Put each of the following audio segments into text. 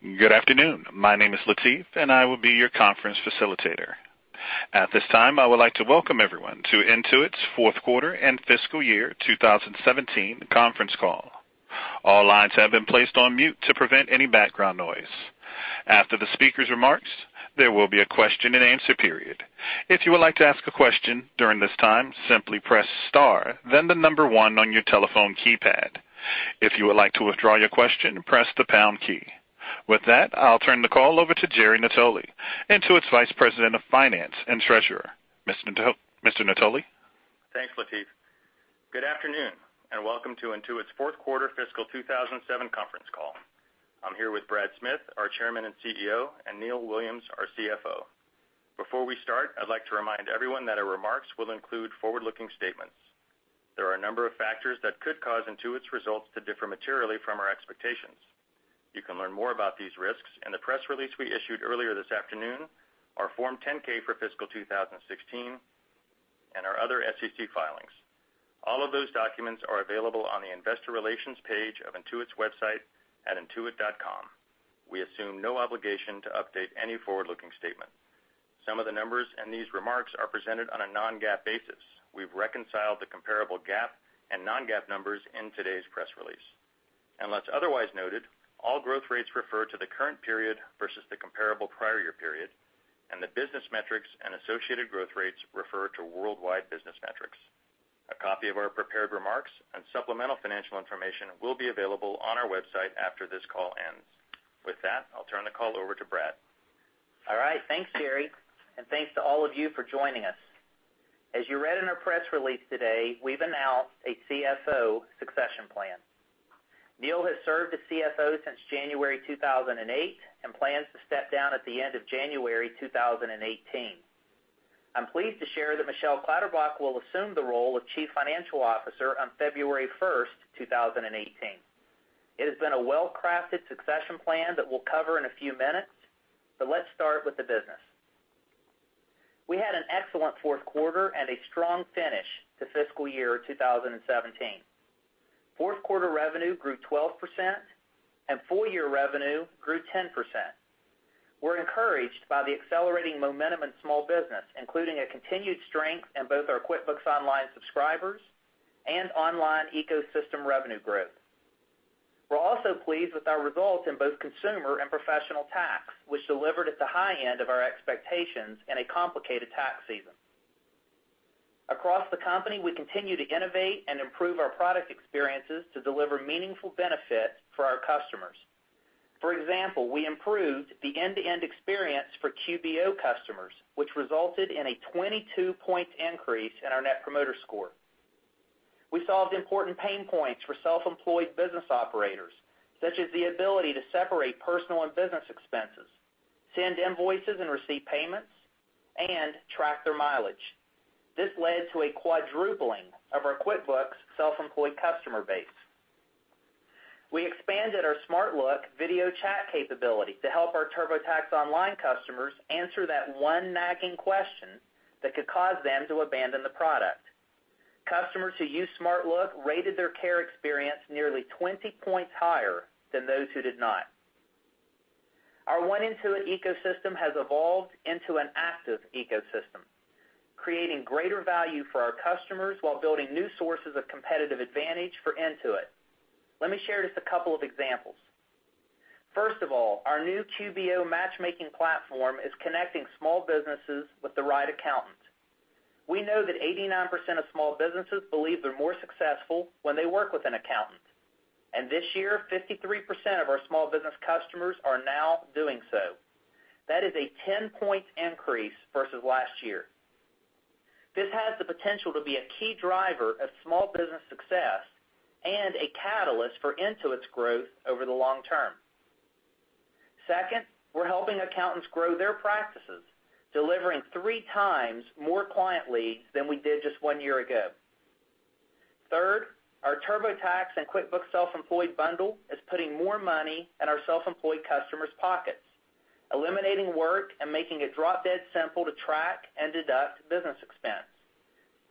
Good afternoon. My name is Latif, and I will be your conference facilitator. At this time, I would like to welcome everyone to Intuit's fourth quarter and fiscal year 2017 conference call. All lines have been placed on mute to prevent any background noise. After the speaker's remarks, there will be a question and answer period. If you would like to ask a question during this time, simply press star, then the number one on your telephone keypad. If you would like to withdraw your question, press the pound key. With that, I'll turn the call over to Jerry Natoli, Intuit's Vice President of Finance and Treasurer. Mr. Natoli? Thanks, Latif. Good afternoon, and welcome to Intuit's fourth quarter fiscal 2017 conference call. I'm here with Brad Smith, our Chairman and CEO, and Neil Williams, our CFO. Before we start, I'd like to remind everyone that our remarks will include forward-looking statements. There are a number of factors that could cause Intuit's results to differ materially from our expectations. You can learn more about these risks in the press release we issued earlier this afternoon, our Form 10-K for fiscal 2016, and our other SEC filings. All of those documents are available on the investor relations page of Intuit's website at intuit.com. We assume no obligation to update any forward-looking statement. Some of the numbers in these remarks are presented on a non-GAAP basis. We've reconciled the comparable GAAP and non-GAAP numbers in today's press release. Unless otherwise noted, all growth rates refer to the current period versus the comparable prior year period, and the business metrics and associated growth rates refer to worldwide business metrics. A copy of our prepared remarks and supplemental financial information will be available on our website after this call ends. With that, I'll turn the call over to Brad. All right. Thanks, Jerry, and thanks to all of you for joining us. As you read in our press release today, we've announced a CFO succession plan. Neil has served as CFO since January 2008 and plans to step down at the end of January 2018. I'm pleased to share that Michelle Clatterbuck will assume the role of Chief Financial Officer on February 1st, 2018. It has been a well-crafted succession plan that we'll cover in a few minutes, but let's start with the business. We had an excellent fourth quarter and a strong finish to fiscal year 2017. Fourth quarter revenue grew 12% and full-year revenue grew 10%. We're encouraged by the accelerating momentum in small business, including a continued strength in both our QuickBooks Online subscribers and online ecosystem revenue growth. We're also pleased with our results in both consumer and professional tax, which delivered at the high end of our expectations in a complicated tax season. Across the company, we continue to innovate and improve our product experiences to deliver meaningful benefits for our customers. For example, we improved the end-to-end experience for QBO customers, which resulted in a 22-point increase in our Net Promoter Score. We solved important pain points for self-employed business operators, such as the ability to separate personal and business expenses, send invoices and receive payments, and track their mileage. This led to a quadrupling of our QuickBooks Self-Employed customer base. We expanded our SmartLook video chat capability to help our TurboTax Online customers answer that one nagging question that could cause them to abandon the product. Customers who use SmartLook rated their care experience nearly 20 points higher than those who did not. Our one Intuit ecosystem has evolved into an active ecosystem, creating greater value for our customers while building new sources of competitive advantage for Intuit. Let me share just a couple of examples. First of all, our new QBO matchmaking platform is connecting small businesses with the right accountant. We know that 89% of small businesses believe they're more successful when they work with an accountant. This year, 53% of our small business customers are now doing so. That is a ten-point increase versus last year. This has the potential to be a key driver of small business success and a catalyst for Intuit's growth over the long term. Second, we're helping accountants grow their practices, delivering three times more client leads than we did just one year ago. Third, our TurboTax and QuickBooks Self-Employed bundle is putting more money in our self-employed customers' pockets, eliminating work and making it drop-dead simple to track and deduct business expense.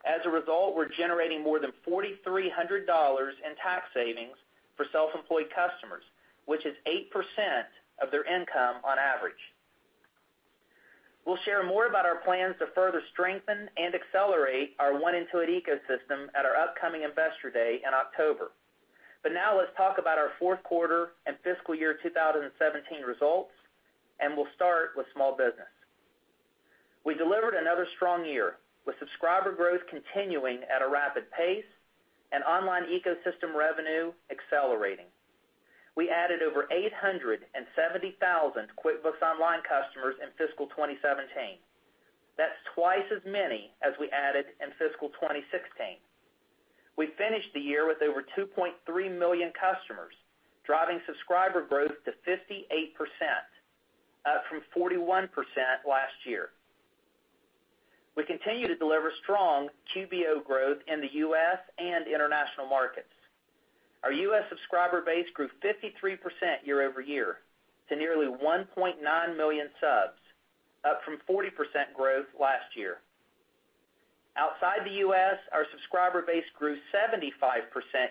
As a result, we're generating more than $4,300 in tax savings for self-employed customers, which is 8% of their income on average. We'll share more about our plans to further strengthen and accelerate our one Intuit ecosystem at our upcoming Investor Day in October. Now let's talk about our fourth quarter and fiscal year 2017 results, and we'll start with small business. We delivered another strong year, with subscriber growth continuing at a rapid pace and online ecosystem revenue accelerating. We added over 870,000 QuickBooks Online customers in fiscal 2017. That's twice as many as we added in fiscal 2016. We finished the year with over 2.3 million customers, driving subscriber growth to 58%, up from 41% last year. We continue to deliver strong QBO growth in the U.S. and international markets. Our U.S. subscriber base grew 53% year-over-year to nearly 1.9 million subs, up from 40% growth last year. Outside the U.S., our subscriber base grew 75%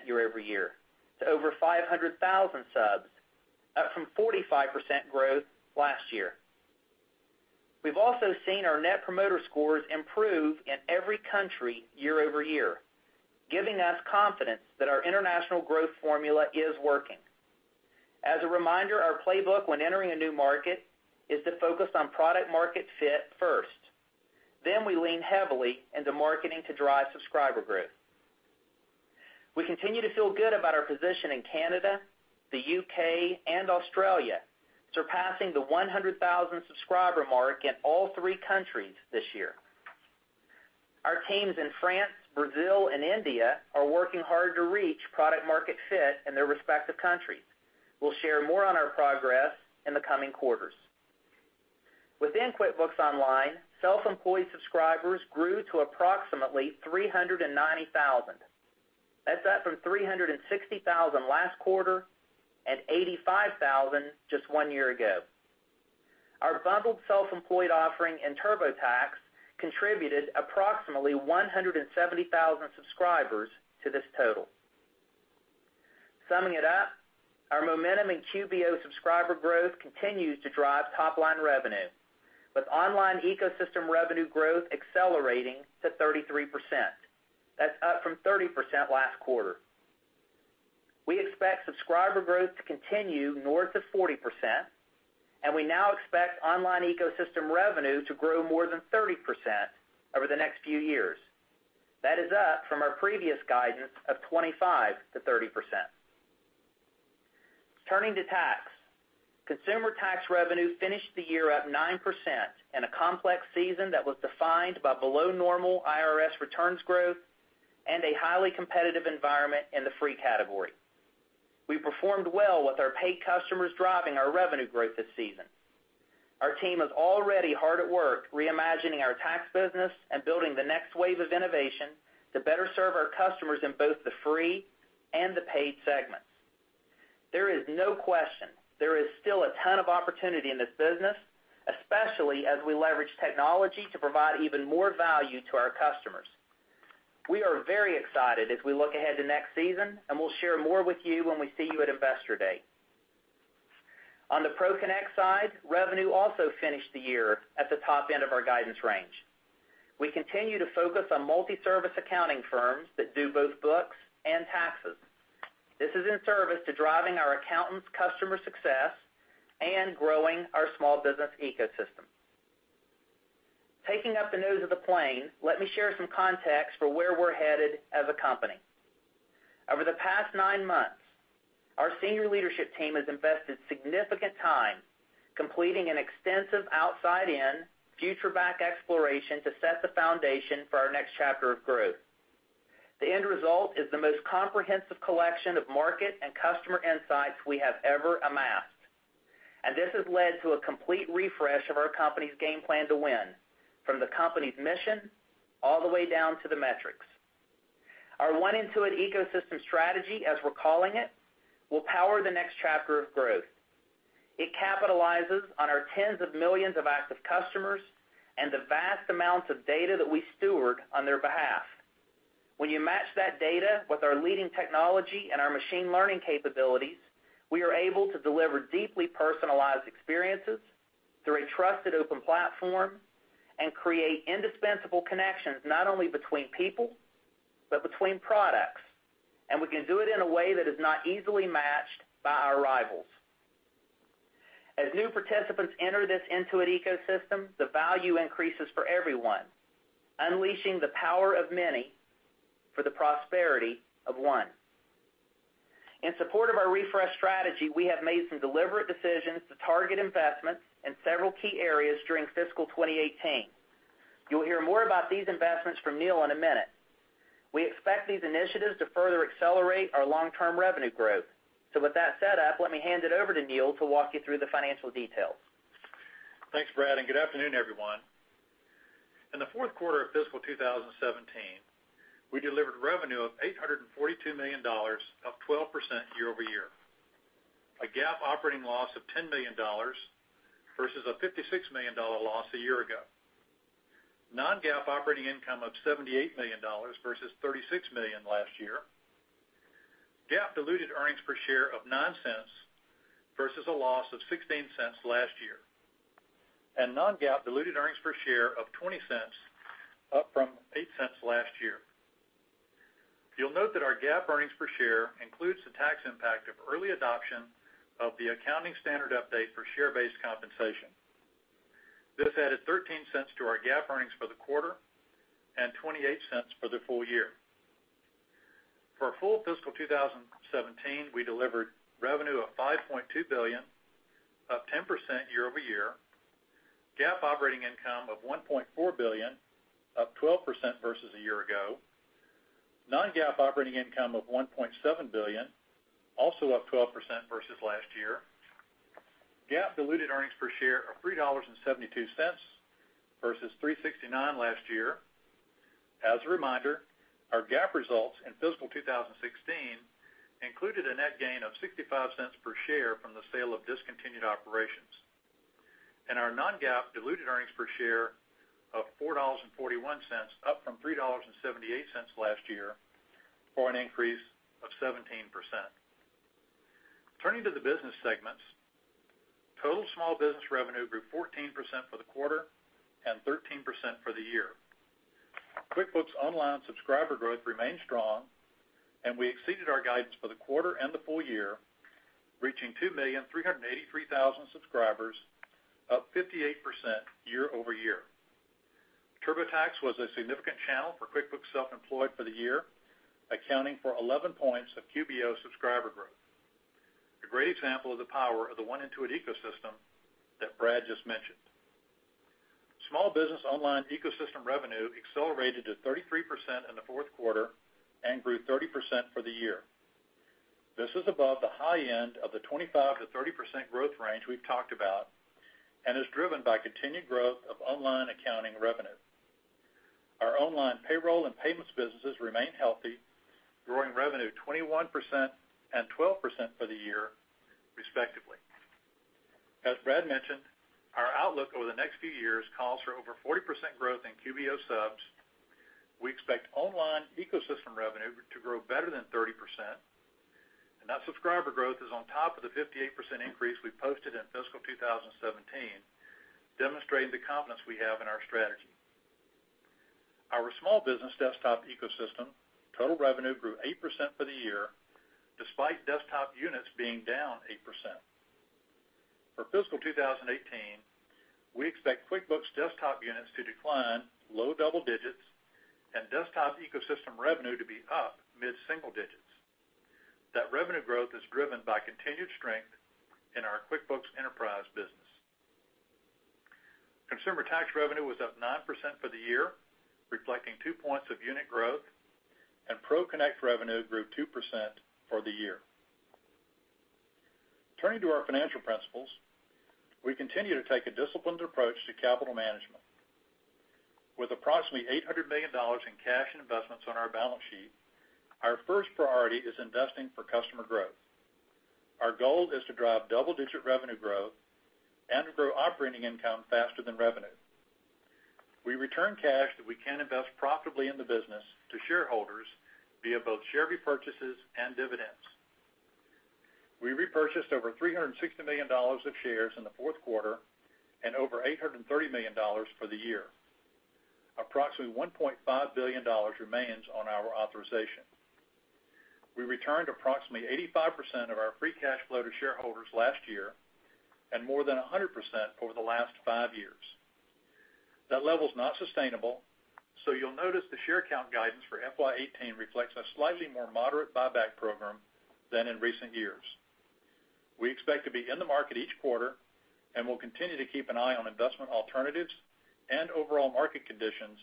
year-over-year to over 500,000 subs, up from 45% growth last year. We've also seen our Net Promoter Scores improve in every country year-over-year, giving us confidence that our international growth formula is working. As a reminder, our playbook when entering a new market is to focus on product-market fit first. We lean heavily into marketing to drive subscriber growth. We continue to feel good about our position in Canada, the U.K., and Australia, surpassing the 100,000 subscriber mark in all three countries this year. Our teams in France, Brazil, and India are working hard to reach product-market fit in their respective countries. We'll share more on our progress in the coming quarters. Within QuickBooks Online Self-Employed subscribers grew to approximately 390,000. That's up from 360,000 last quarter and 85,000 just one year ago. Our bundled Self-Employed offering in TurboTax contributed approximately 170,000 subscribers to this total. Summing it up, our momentum in QBO subscriber growth continues to drive top-line revenue, with online ecosystem revenue growth accelerating to 33%. That's up from 30% last quarter. We expect subscriber growth to continue north of 40%, and we now expect online ecosystem revenue to grow more than 30% over the next few years. That is up from our previous guidance of 25%-30%. Turning to tax. Consumer tax revenue finished the year up 9% in a complex season that was defined by below normal IRS returns growth and a highly competitive environment in the free category. We performed well with our paid customers driving our revenue growth this season. Our team is already hard at work reimagining our tax business and building the next wave of innovation to better serve our customers in both the free and the paid segments. There is no question there is still a ton of opportunity in this business, especially as we leverage technology to provide even more value to our customers. We are very excited as we look ahead to next season, and we'll share more with you when we see you at Investor Day. On the ProConnect side, revenue also finished the year at the top end of our guidance range. We continue to focus on multi-service accounting firms that do both books and taxes. This is in service to driving our accountants' customer success and growing our small business ecosystem. Taking up the nose of the plane, let me share some context for where we're headed as a company. Over the past nine months, our senior leadership team has invested significant time completing an extensive outside-in, future-back exploration to set the foundation for our next chapter of growth. The end result is the most comprehensive collection of market and customer insights we have ever amassed, and this has led to a complete refresh of our company's game plan to win, from the company's mission all the way down to the metrics. Our One Intuit Ecosystem strategy, as we're calling it, will power the next chapter of growth. It capitalizes on our tens of millions of active customers and the vast amounts of data that we steward on their behalf. When you match that data with our leading technology and our machine learning capabilities, we are able to deliver deeply personalized experiences through a trusted open platform and create indispensable connections not only between people, but between products. We can do it in a way that is not easily matched by our rivals. As new participants enter this Intuit ecosystem, the value increases for everyone, unleashing the power of many for the prosperity of one. In support of our refresh strategy, we have made some deliberate decisions to target investments in several key areas during fiscal 2018. You'll hear more about these investments from Neil in a minute. We expect these initiatives to further accelerate our long-term revenue growth. With that set up, let me hand it over to Neil to walk you through the financial details. Thanks, Brad, good afternoon, everyone. In the fourth quarter of fiscal 2017, we delivered revenue of $842 million, up 12% year-over-year. A GAAP operating loss of $10 million versus a $56 million loss a year ago. Non-GAAP operating income of $78 million versus $36 million last year. GAAP diluted earnings per share of $0.09 versus a loss of $0.16 last year. Non-GAAP diluted earnings per share of $0.20, up from $0.08 last year. You'll note that our GAAP earnings per share includes the tax impact of early adoption of the accounting standard update for share-based compensation. This added $0.13 to our GAAP earnings for the quarter and $0.28 for the full year. For full fiscal 2017, we delivered revenue of $5.2 billion, up 10% year-over-year, GAAP operating income of $1.4 billion, up 12% versus a year ago. Non-GAAP operating income of $1.7 billion, also up 12% versus last year. GAAP diluted earnings per share of $3.72 versus $3.69 last year. As a reminder, our GAAP results in fiscal 2016 included a net gain of $0.65 per share from the sale of discontinued operations. Our non-GAAP diluted earnings per share of $4.41, up from $3.78 last year, for an increase of 17%. Turning to the business segments, total small business revenue grew 14% for the quarter, and 13% for the year. QuickBooks Online subscriber growth remained strong, and we exceeded our guidance for the quarter and the full year, reaching 2,383,000 subscribers, up 58% year-over-year. TurboTax was a significant channel for QuickBooks Self-Employed for the year, accounting for 11 points of QBO subscriber growth. A great example of the power of the one Intuit ecosystem that Brad just mentioned. Small Business Online Ecosystem revenue accelerated to 33% in the fourth quarter and grew 30% for the year. This is above the high end of the 25%-30% growth range we've talked about, and is driven by continued growth of online accounting revenue. Our online payroll and payments businesses remain healthy, growing revenue 21% and 12% for the year respectively. As Brad mentioned, our outlook over the next few years calls for over 40% growth in QBO subs. We expect online ecosystem revenue to grow better than 30%, and that subscriber growth is on top of the 58% increase we posted in fiscal 2017, demonstrating the confidence we have in our strategy. Our Small Business Desktop ecosystem total revenue grew 8% for the year, despite desktop units being down 8%. For fiscal 2018, we expect QuickBooks Desktop units to decline low double digits and Desktop Ecosystem revenue to be up mid-single digits. That revenue growth is driven by continued strength in our QuickBooks Enterprise business. Consumer tax revenue was up 9% for the year, reflecting two points of unit growth, ProConnect revenue grew 2% for the year. Turning to our financial principles, we continue to take a disciplined approach to capital management. With approximately $800 million in cash and investments on our balance sheet, our first priority is investing for customer growth. Our goal is to drive double-digit revenue growth and to grow operating income faster than revenue. We return cash that we can invest profitably in the business to shareholders via both share repurchases and dividends. We repurchased over $360 million of shares in the fourth quarter and over $830 million for the year. Approximately $1.5 billion remains on our authorization. We returned approximately 85% of our free cash flow to shareholders last year and more than 100% over the last five years. That level's not sustainable, you'll notice the share count guidance for FY 2018 reflects a slightly more moderate buyback program than in recent years. We expect to be in the market each quarter, and we'll continue to keep an eye on investment alternatives and overall market conditions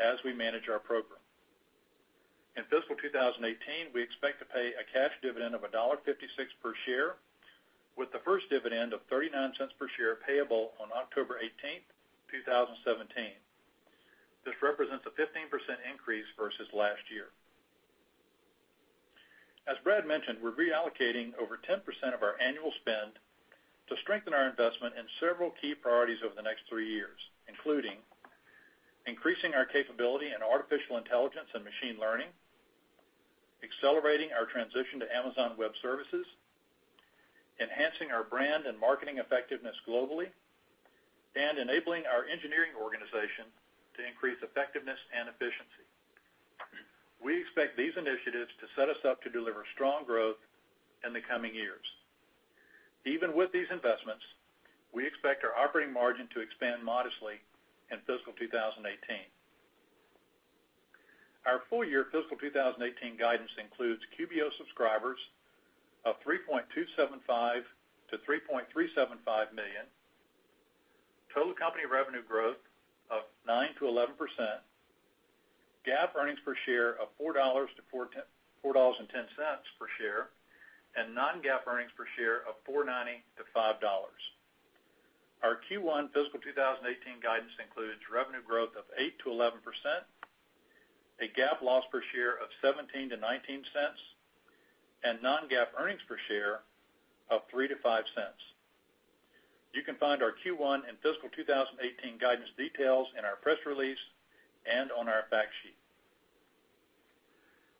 as we manage our program. In fiscal 2018, we expect to pay a cash dividend of $1.56 per share, with the first dividend of $0.39 per share payable on October 18th, 2017. This represents a 15% increase versus last year. As Brad mentioned, we're reallocating over 10% of our annual spend to strengthen our investment in several key priorities over the next three years, including increasing our capability in artificial intelligence and machine learning, accelerating our transition to Amazon Web Services, enhancing our brand and marketing effectiveness globally, and enabling our engineering organization to increase effectiveness and efficiency. We expect these initiatives to set us up to deliver strong growth in the coming years. Even with these investments, we expect our operating margin to expand modestly in fiscal 2018. Our full-year fiscal 2018 guidance includes QBO subscribers of 3.275 million to 3.375 million, total company revenue growth of 9% to 11%, GAAP earnings per share of $4 to $4.10 per share, and non-GAAP earnings per share of $4.90 to $5. Our Q1 fiscal 2018 guidance includes revenue growth of 8% to 11%, a GAAP loss per share of $0.17 to $0.19, and non-GAAP earnings per share of $0.03 to $0.05. You can find our Q1 and fiscal 2018 guidance details in our press release and on our fact sheet.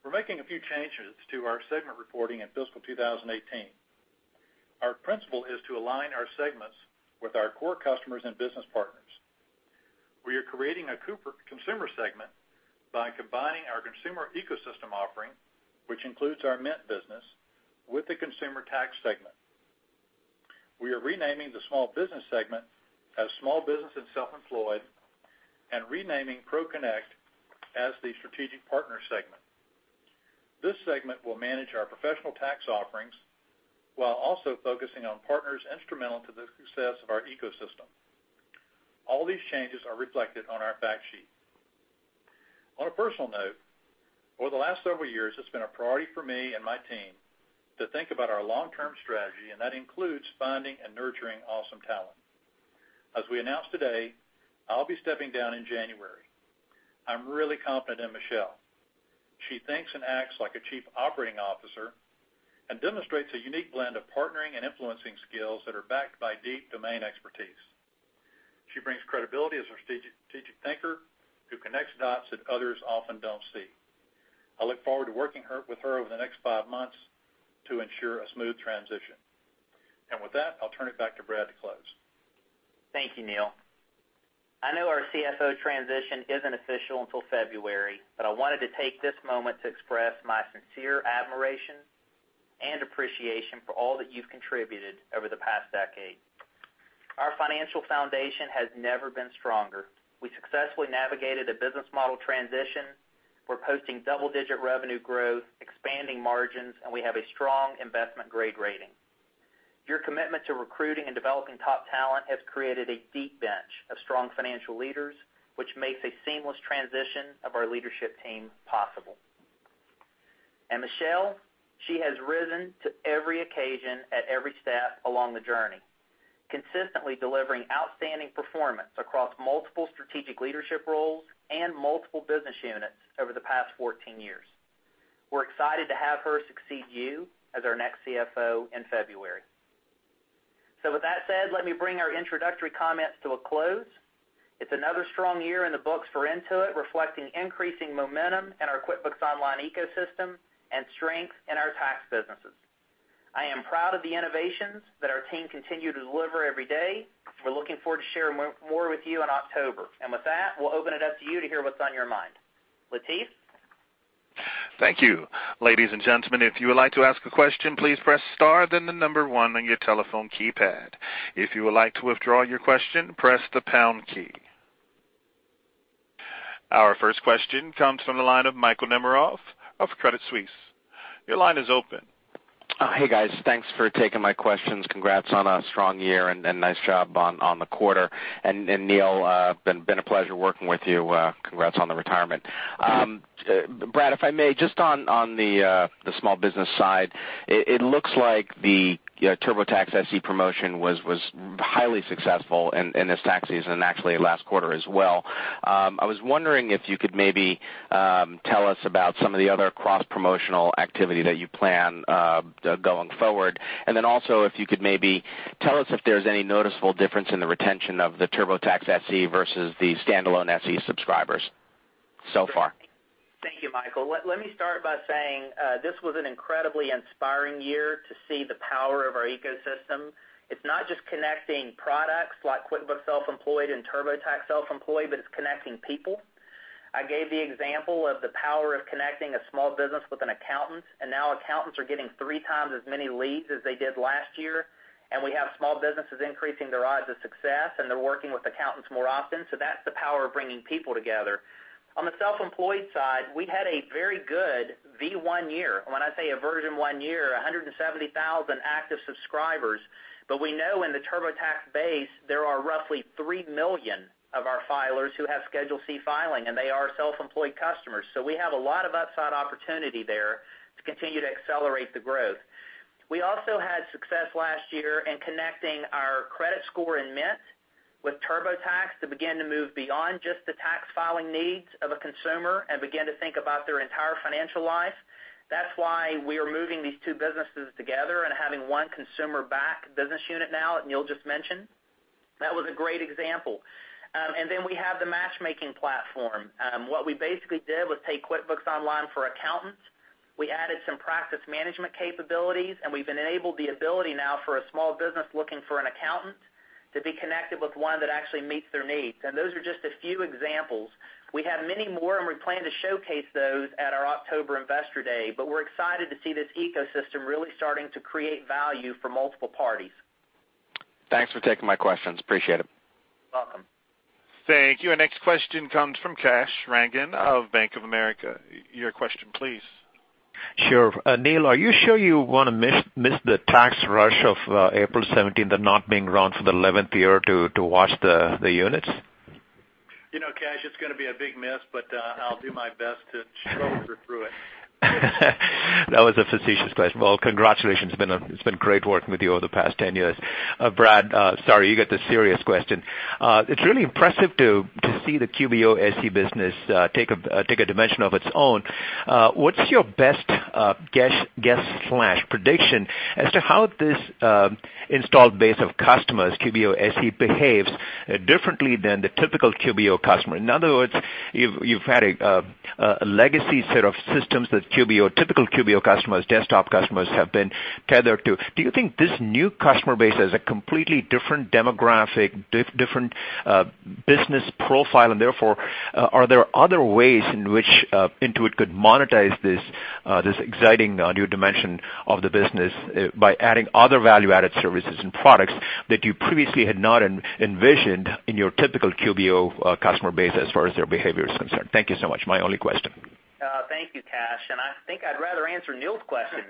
We're making a few changes to our segment reporting in fiscal 2018. Our principle is to align our segments with our core customers and business partners. We are creating a consumer segment by combining our consumer ecosystem offering, which includes our Mint business, with the consumer tax segment. We are renaming the small business segment as Small Business and Self-Employed, and renaming ProConnect as the Strategic Partner Segment. This segment will manage our professional tax offerings while also focusing on partners instrumental to the success of our ecosystem. All these changes are reflected on our fact sheet. On a personal note, over the last several years, it's been a priority for me and my team to think about our long-term strategy, and that includes finding and nurturing awesome talent. As we announced today, I'll be stepping down in January. I'm really confident in Michelle. She thinks and acts like a chief operating officer and demonstrates a unique blend of partnering and influencing skills that are backed by deep domain expertise. She brings credibility as a strategic thinker who connects dots that others often don't see. I look forward to working with her over the next five months to ensure a smooth transition. With that, I'll turn it back to Brad to close. Thank you, Neil. I know our CFO transition isn't official until February, but I wanted to take this moment to express my sincere admiration and appreciation for all that you've contributed over the past decade. Our financial foundation has never been stronger. We successfully navigated a business model transition. We're posting double-digit revenue growth, expanding margins, and we have a strong investment-grade rating. Your commitment to recruiting and developing top talent has created a deep bench of strong financial leaders, which makes a seamless transition of our leadership team possible. Michelle, she has risen to every occasion at every step along the journey, consistently delivering outstanding performance across multiple strategic leadership roles and multiple business units over the past 14 years. We're excited to have her succeed you as our next CFO in February. With that said, let me bring our introductory comments to a close. It's another strong year in the books for Intuit, reflecting increasing momentum in our QuickBooks Online ecosystem and strength in our tax businesses. I am proud of the innovations that our team continue to deliver every day. We're looking forward to sharing more with you in October. With that, we'll open it up to you to hear what's on your mind. Latif? Thank you. Ladies and gentlemen, if you would like to ask a question, please press star, then the number 1 on your telephone keypad. If you would like to withdraw your question, press the pound key. Our first question comes from the line of Michael Nemeroff of Credit Suisse. Your line is open. Hey, guys. Thanks for taking my questions. Congrats on a strong year, and nice job on the quarter. Neil, been a pleasure working with you. Congrats on the retirement. Brad, if I may, just on the small business side, it looks like the TurboTax SE promotion was highly successful in this tax season and actually last quarter as well. I was wondering if you could maybe tell us about some of the other cross-promotional activity that you plan going forward. Then also, if you could maybe tell us if there's any noticeable difference in the retention of the TurboTax SE versus the standalone SE subscribers so far. Thank you, Michael. Let me start by saying, this was an incredibly inspiring year to see the power of our ecosystem. It's not just connecting products like QuickBooks Self-Employed and TurboTax Self-Employed, but it's connecting people. I gave the example of the power of connecting a small business with an accountant, and now accountants are getting three times as many leads as they did last year. We have small businesses increasing their odds of success, and they're working with accountants more often. That's the power of bringing people together. On the self-employed side, we had a very good V1 year. When I say a version one year, 170,000 active subscribers. We know in the TurboTax base, there are roughly three million of our filers who have Schedule C filing, and they are self-employed customers. We have a lot of upside opportunity there to continue to accelerate the growth. We also had success last year in connecting our credit score in Mint with TurboTax to begin to move beyond just the tax filing needs of a consumer and begin to think about their entire financial life. That's why we are moving these two businesses together and having one consumer-backed business unit now, as Neil just mentioned. That was a great example. We have the matchmaking platform. What we basically did was take QuickBooks Online for accountants. We added some practice management capabilities, and we've enabled the ability now for a small business looking for an accountant to be connected with one that actually meets their needs. Those are just a few examples. We have many more. We plan to showcase those at our October Investor Day. We're excited to see this ecosystem really starting to create value for multiple parties. Thanks for taking my questions. Appreciate it. Welcome. Thank you. Our next question comes from Kash Rangan of Bank of America. Your question, please. Sure. Neil, are you sure you want to miss the tax rush of April 17th and not being around for the 11th year to watch the units? You know, Kash, it's going to be a big miss, but I'll do my best to chauffeur through it. That was a facetious question. Well, congratulations. It's been great working with you over the past 10 years. Brad, sorry, you get the serious question. It's really impressive to see the QBO SE business take a dimension of its own. What's your best guess/prediction as to how this installed base of customers, QBO SE behaves differently than the typical QBO customer? In other words, you've had a legacy set of systems that typical QBO customers, desktop customers, have been tethered to. Do you think this new customer base has a completely different demographic, different business profile? Therefore, are there other ways in which Intuit could monetize this exciting new dimension of the business by adding other value-added services and products that you previously had not envisioned in your typical QBO customer base as far as their behavior is concerned? Thank you so much. My only question. Thank you, Kash. I think I'd rather answer Neil's question.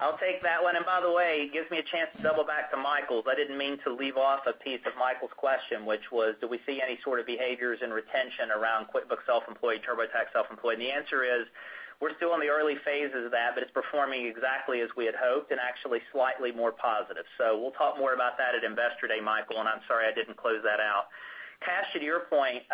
I'll take that one. By the way, it gives me a chance to double back to Michael's. I didn't mean to leave off a piece of Michael's question, which was, do we see any sort of behaviors in retention around QuickBooks Self-Employed, TurboTax Self-Employed? The answer is, we're still in the early phases of that, but it's performing exactly as we had hoped and actually slightly more positive. We'll talk more about that at Investor Day, Michael, and I'm sorry I didn't close that out. Kash, to your point,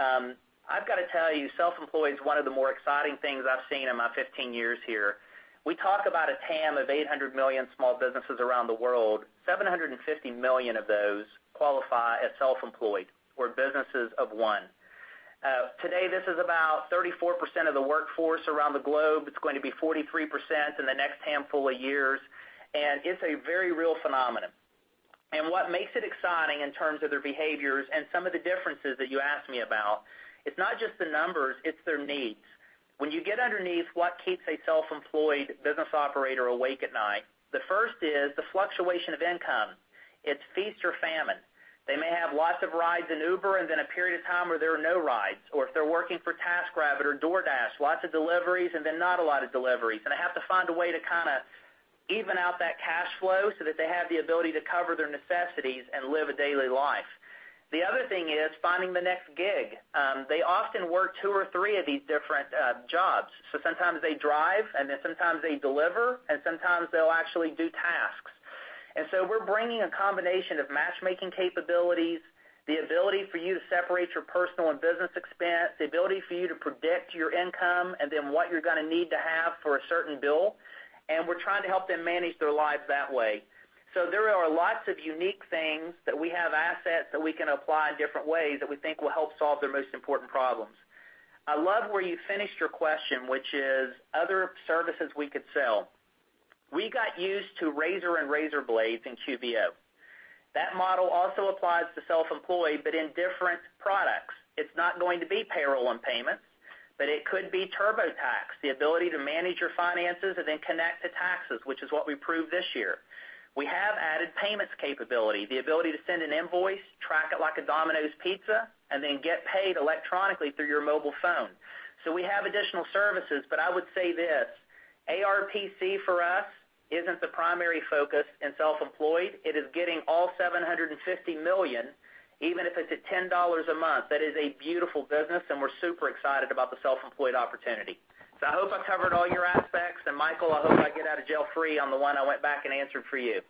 I've got to tell you, self-employed is one of the more exciting things I've seen in my 15 years here. We talk about a TAM of 800 million small businesses around the world, 750 million of those qualify as self-employed or businesses of one. Today, this is about 34% of the workforce around the globe. It's going to be 43% in the next handful of years, and it's a very real phenomenon. What makes it exciting in terms of their behaviors and some of the differences that you asked me about, it's not just the numbers, it's their needs. When you get underneath what keeps a self-employed business operator awake at night, the first is the fluctuation of income. It's feast or famine. They may have lots of rides in Uber and then a period of time where there are no rides, or if they're working for TaskRabbit or DoorDash, lots of deliveries, and then not a lot of deliveries. They have to find a way to even out that cash flow so that they have the ability to cover their necessities and live a daily life. The other thing is finding the next gig. They often work two or three of these different jobs. Sometimes they drive, and then sometimes they deliver, and sometimes they'll actually do tasks. We're bringing a combination of matchmaking capabilities, the ability for you to separate your personal and business expense, the ability for you to predict your income and then what you're going to need to have for a certain bill. We're trying to help them manage their lives that way. There are lots of unique things that we have assets that we can apply in different ways that we think will help solve their most important problems. I love where you finished your question, which is other services we could sell. We got used to razor and razor blades in QBO. That model also applies to self-employed, but in different products. It's not going to be payroll and payments, but it could be TurboTax, the ability to manage your finances and then connect to taxes, which is what we proved this year. We have added payments capability, the ability to send an invoice, track it like a Domino's Pizza, and then get paid electronically through your mobile phone. We have additional services, but I would say this, ARPC for us isn't the primary focus in self-employed. It is getting all 750 million, even if it's at $10 a month. That is a beautiful business, and we're super excited about the self-employed opportunity. I hope I've covered all your aspects. Michael, I hope I get out of jail free on the one I went back and answered for you.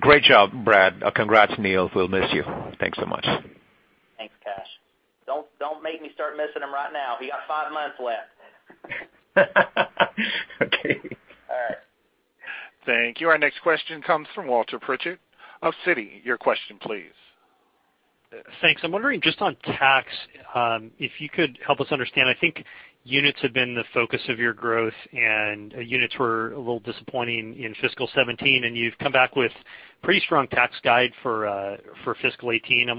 Great job, Brad. Congrats, Neil. We'll miss you. Thanks so much. Thanks, Kash. Don't make me start missing him right now. He got five months left. Okay. All right. Thank you. Our next question comes from Walter Pritchard of Citi. Your question, please. Thanks. I'm wondering just on tax, if you could help us understand. I think units have been the focus of your growth, and units were a little disappointing in fiscal 2017, and you've come back with pretty strong tax guide for fiscal 2018.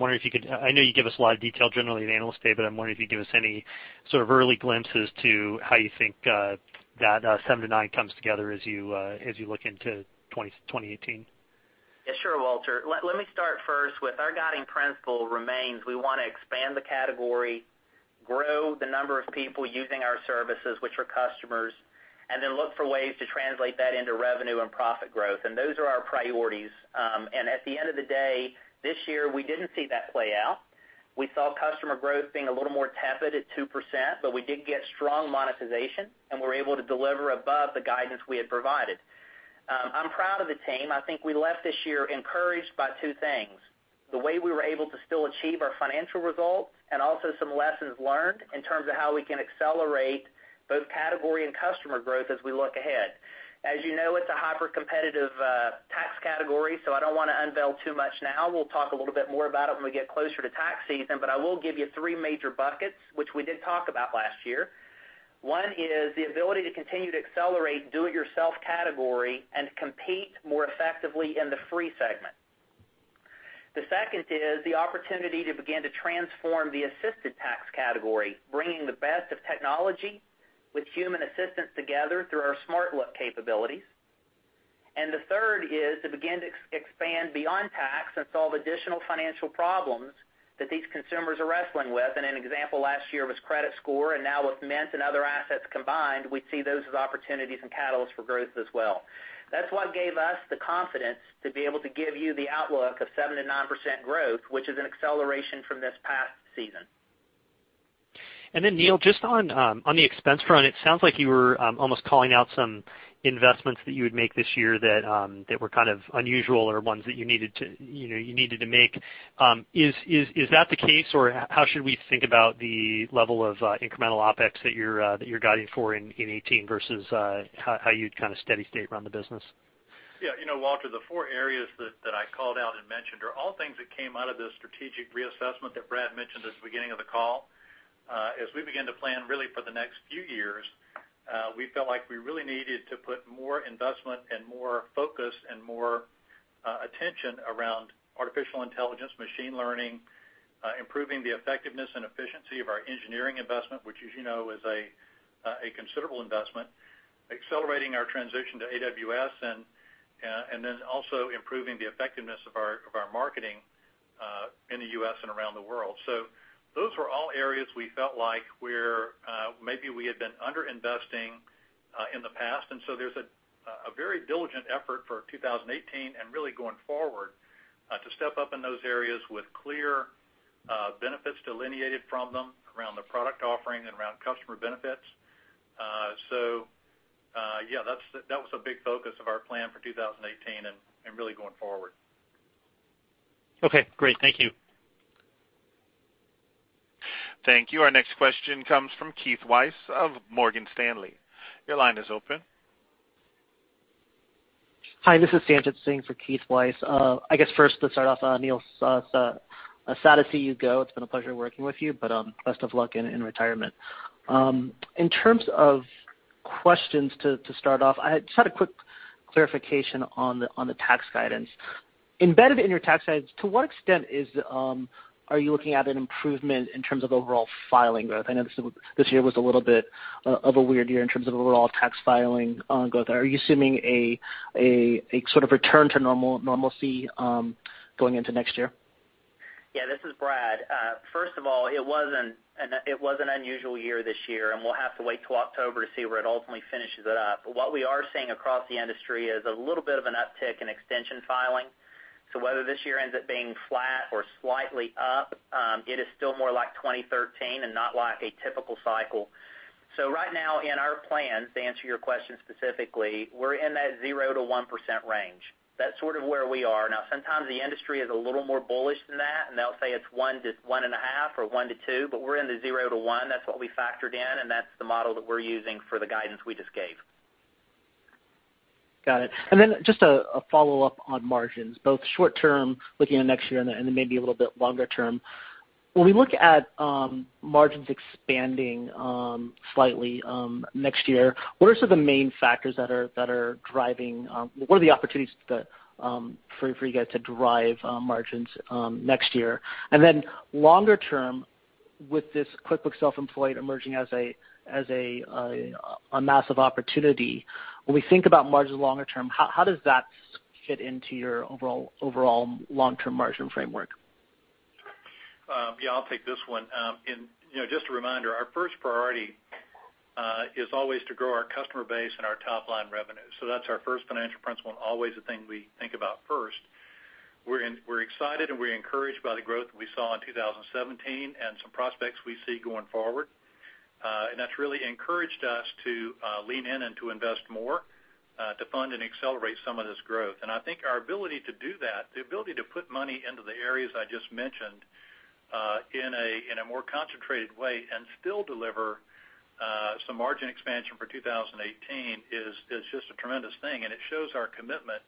I know you give us a lot of detail generally at Analyst Day, but I'm wondering if you'd give us any sort of early glimpses to how you think that 7% to 9% comes together as you look into 2018. Yeah, sure, Walter. Let me start first with our guiding principle remains we want to expand the category, grow the number of people using our services, which are customers, and then look for ways to translate that into revenue and profit growth. Those are our priorities. At the end of the day, this year, we didn't see that play out. We saw customer growth being a little more tepid at 2%, but we did get strong monetization, and we're able to deliver above the guidance we had provided. I'm proud of the team. I think we left this year encouraged by two things, the way we were able to still achieve our financial results, and also some lessons learned in terms of how we can accelerate both category and customer growth as we look ahead. As you know, it's a hyper-competitive tax category, so I don't want to unveil too much now. We'll talk a little bit more about it when we get closer to tax season. I will give you three major buckets, which we did talk about last year. One is the ability to continue to accelerate do-it-yourself category and compete more effectively in the free segment. The second is the opportunity to begin to transform the assisted tax category, bringing the best of technology with human assistance together through our SmartLook capabilities. The third is to begin to expand beyond tax and solve additional financial problems that these consumers are wrestling with. An example last year was credit score, and now with Mint and other assets combined, we see those as opportunities and catalysts for growth as well. That's what gave us the confidence to be able to give you the outlook of 7% to 9% growth, which is an acceleration from this past season. Neil, just on the expense front, it sounds like you were almost calling out some investments that you would make this year that were kind of unusual or ones that you needed to make. Is that the case, or how should we think about the level of incremental OpEx that you're guiding for in 2018 versus how you'd kind of steady state run the business? Yeah. Walter, the four areas that I called out and mentioned are all things that came out of the strategic reassessment that Brad mentioned at the beginning of the call. As we begin to plan really for the next few years, we felt like we really needed to put more investment and more focus and more attention around artificial intelligence, machine learning, improving the effectiveness and efficiency of our engineering investment, which as you know, is a considerable investment, accelerating our transition to AWS, and also improving the effectiveness of our marketing in the U.S. and around the world. Those were all areas we felt like where maybe we had been under-investing in the past, there's a very diligent effort for 2018 and really going forward to step up in those areas with clear benefits delineated from them around the product offering and around customer benefits. Yeah, that was a big focus of our plan for 2018 and really going forward. Okay, great. Thank you. Thank you. Our next question comes from Keith Weiss of Morgan Stanley. Your line is open. Hi, this is Sanjit Singh for Keith Weiss. I guess first to start off, Neil, sad to see you go. It's been a pleasure working with you, but best of luck in retirement. In terms of questions to start off, I just had a quick clarification on the tax guidance. Embedded in your tax guidance, to what extent are you looking at an improvement in terms of overall filing growth? I know this year was a little bit of a weird year in terms of overall tax filing growth. Are you assuming a sort of return to normalcy going into next year? Yeah, this is Brad. First of all, it was an unusual year this year, and we'll have to wait till October to see where it ultimately finishes it up. What we are seeing across the industry is a little bit of an uptick in extension filing. Whether this year ends up being flat or slightly up, it is still more like 2013 and not like a typical cycle. Right now in our plans, to answer your question specifically, we're in that 0%-1% range. That's sort of where we are. Now, sometimes the industry is a little more bullish than that, and they'll say it's 1% to 1.5% or 1%-2%, but we're in the 0%-1%. That's what we factored in, and that's the model that we're using for the guidance we just gave. Got it. Just a follow-up on margins, both short term looking at next year and then maybe a little bit longer term. When we look at margins expanding slightly next year, what are sort of the main factors that are what are the opportunities for you guys to drive margins next year? Longer term, with this QuickBooks Self-Employed emerging as a massive opportunity, when we think about margins longer term, how does that fit into your overall long-term margin framework? Yeah, I'll take this one. Just a reminder, our first priority is always to grow our customer base and our top-line revenue. That's our first financial principle and always the thing we think about first. We're excited, and we're encouraged by the growth that we saw in 2017 and some prospects we see going forward. That's really encouraged us to lean in and to invest more, to fund and accelerate some of this growth. I think our ability to do that, the ability to put money into the areas I just mentioned, in a more concentrated way and still deliver some margin expansion for 2018 is just a tremendous thing. It shows our commitment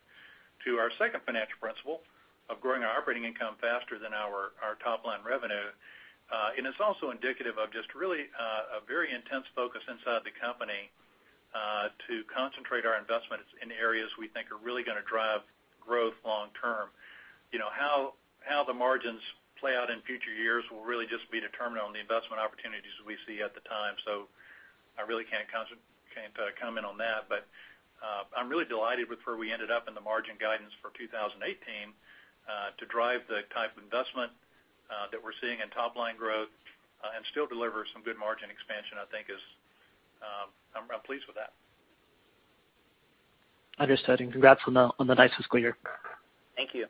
to our second financial principle of growing our operating income faster than our top-line revenue. It's also indicative of just really a very intense focus inside the company, to concentrate our investments in areas we think are really going to drive growth long term. How the margins play out in future years will really just be determined on the investment opportunities we see at the time. I really can't comment on that, but I'm really delighted with where we ended up in the margin guidance for 2018 to drive the type of investment that we're seeing in top-line growth, and still deliver some good margin expansion, I think is I'm pleased with that. Understood. Congrats on the nice fiscal year. Thank you.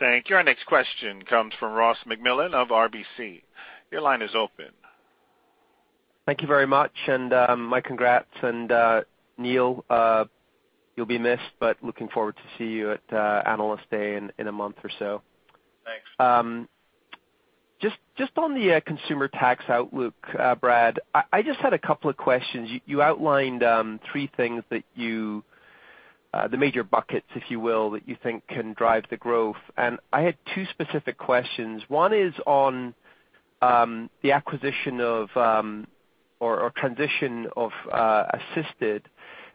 Thank you. Our next question comes from Ross MacMillan of RBC. Your line is open. Thank you very much. My congrats. Neil, you'll be missed, but looking forward to see you at Analyst Day in a month or so. Thanks. Just on the consumer tax outlook, Brad, I just had a couple of questions. You outlined three things that the major buckets, if you will, that you think can drive the growth. I had two specific questions. One is on the acquisition of or transition of Assisted.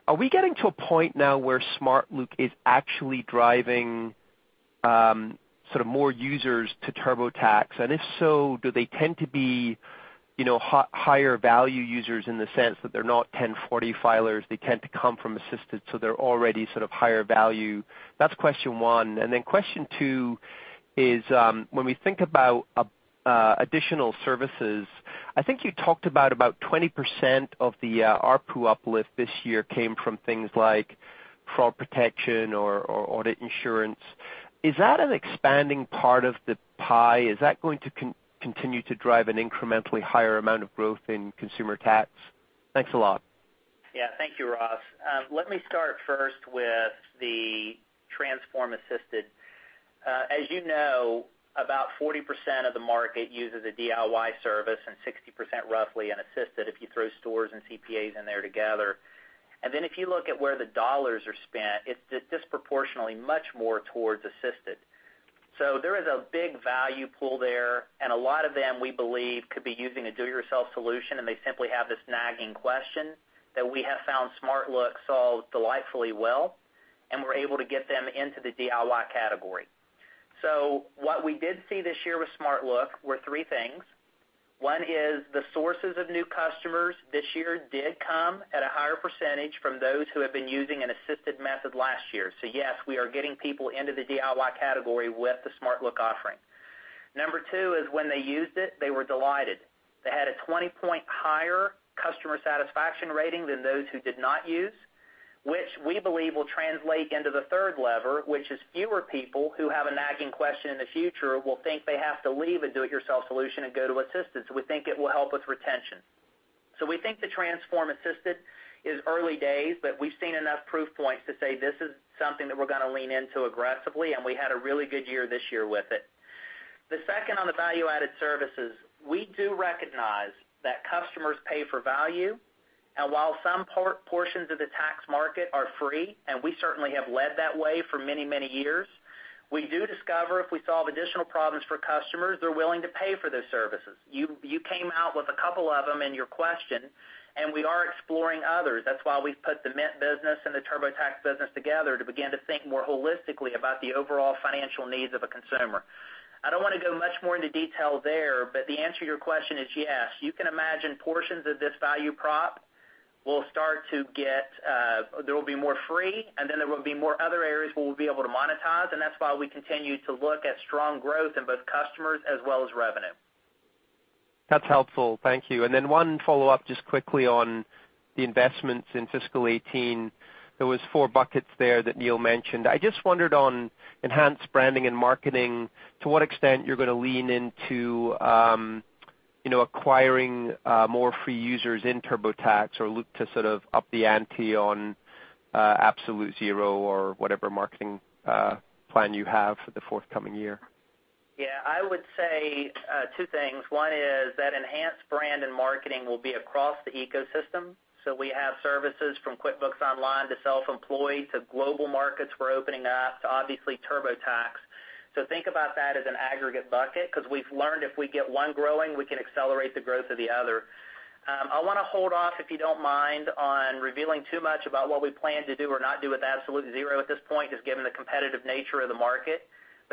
Are we getting to a point now where SmartLook is actually driving sort of more users to TurboTax? If so, do they tend to be higher value users in the sense that they're not 1040 filers, they tend to come from Assisted, so they're already sort of higher value? That's question one. Then question two is, when we think about additional services, I think you talked about 20% of the ARPU uplift this year came from things like fraud protection or audit insurance. Is that an expanding part of the pie? Is that going to continue to drive an incrementally higher amount of growth in consumer tax? Thanks a lot. Thank you, Ross. Let me start first with the Transform Assisted. As you know, about 40% of the market uses a DIY service and 60% roughly an Assisted if you throw stores and CPAs in there together. If you look at where the $ are spent, it's disproportionately much more towards Assisted. There is a big value pool there, and a lot of them, we believe, could be using a do-it-yourself solution, and they simply have this nagging question that we have found SmartLook solve delightfully well, and we're able to get them into the DIY category. What we did see this year with SmartLook were three things. One is the sources of new customers this year did come at a higher percentage from those who have been using an Assisted method last year. Yes, we are getting people into the DIY category with the SmartLook offering. Number 2 is when they used it, they were delighted. They had a 20-point higher customer satisfaction rating than those who did not use. Which we believe will translate into the third lever, which is fewer people who have a nagging question in the future will think they have to leave a do-it-yourself solution and go to Assisted. We think it will help with retention. We think the Transform Assisted is early days, but we've seen enough proof points to say this is something that we're going to lean into aggressively, and we had a really good year this year with it. The second on the value-added services, we do recognize that customers pay for value. While some portions of the tax market are free, and we certainly have led that way for many, many years, we do discover if we solve additional problems for customers, they're willing to pay for those services. You came out with a couple of them in your question, and we are exploring others. That's why we've put the Mint business and the TurboTax business together to begin to think more holistically about the overall financial needs of a consumer. I don't want to go much more into detail there, the answer to your question is yes. You can imagine portions of this value prop, there will be more free, there will be more other areas where we'll be able to monetize, and that's why we continue to look at strong growth in both customers as well as revenue. That's helpful. Thank you. One follow-up just quickly on the investments in fiscal 2018. There was four buckets there that Neil mentioned. I just wondered on enhanced branding and marketing, to what extent you're going to lean into acquiring more free users in TurboTax or look to sort of up the ante on Absolute Zero or whatever marketing plan you have for the forthcoming year. Yeah, I would say two things. One is that enhanced brand and marketing will be across the ecosystem. We have services from QuickBooks Online to Self-Employed to global markets we're opening up to, obviously, TurboTax. Think about that as an aggregate bucket, because we've learned if we get one growing, we can accelerate the growth of the other. I want to hold off, if you don't mind, on revealing too much about what we plan to do or not do with Absolute Zero at this point, just given the competitive nature of the market.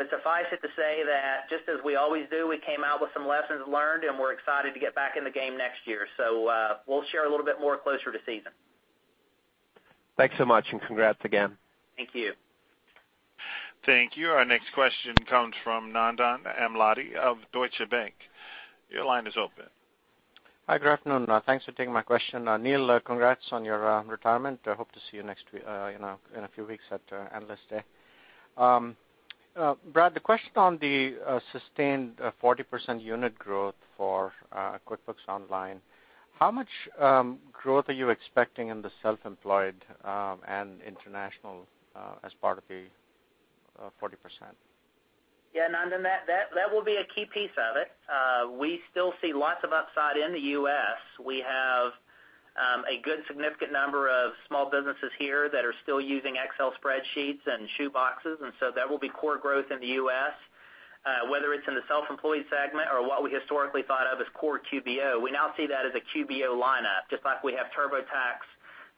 Suffice it to say that just as we always do, we came out with some lessons learned, and we're excited to get back in the game next year. We'll share a little bit more closer to season. Thanks so much, and congrats again. Thank you. Thank you. Our next question comes from Nandan Amladi of Deutsche Bank. Your line is open. Hi, good afternoon. Thanks for taking my question. Neil, congrats on your retirement. I hope to see you in a few weeks at Analyst Day. Brad, the question on the sustained 40% unit growth for QuickBooks Online, how much growth are you expecting in the Self-Employed and international as part of the 40%? Yeah, Nandan, that will be a key piece of it. We still see lots of upside in the U.S. We have a good significant number of small businesses here that are still using Excel spreadsheets and shoe boxes, that will be core growth in the U.S. Whether it's in the Self-Employed segment or what we historically thought of as core QBO, we now see that as a QBO lineup. Just like we have TurboTax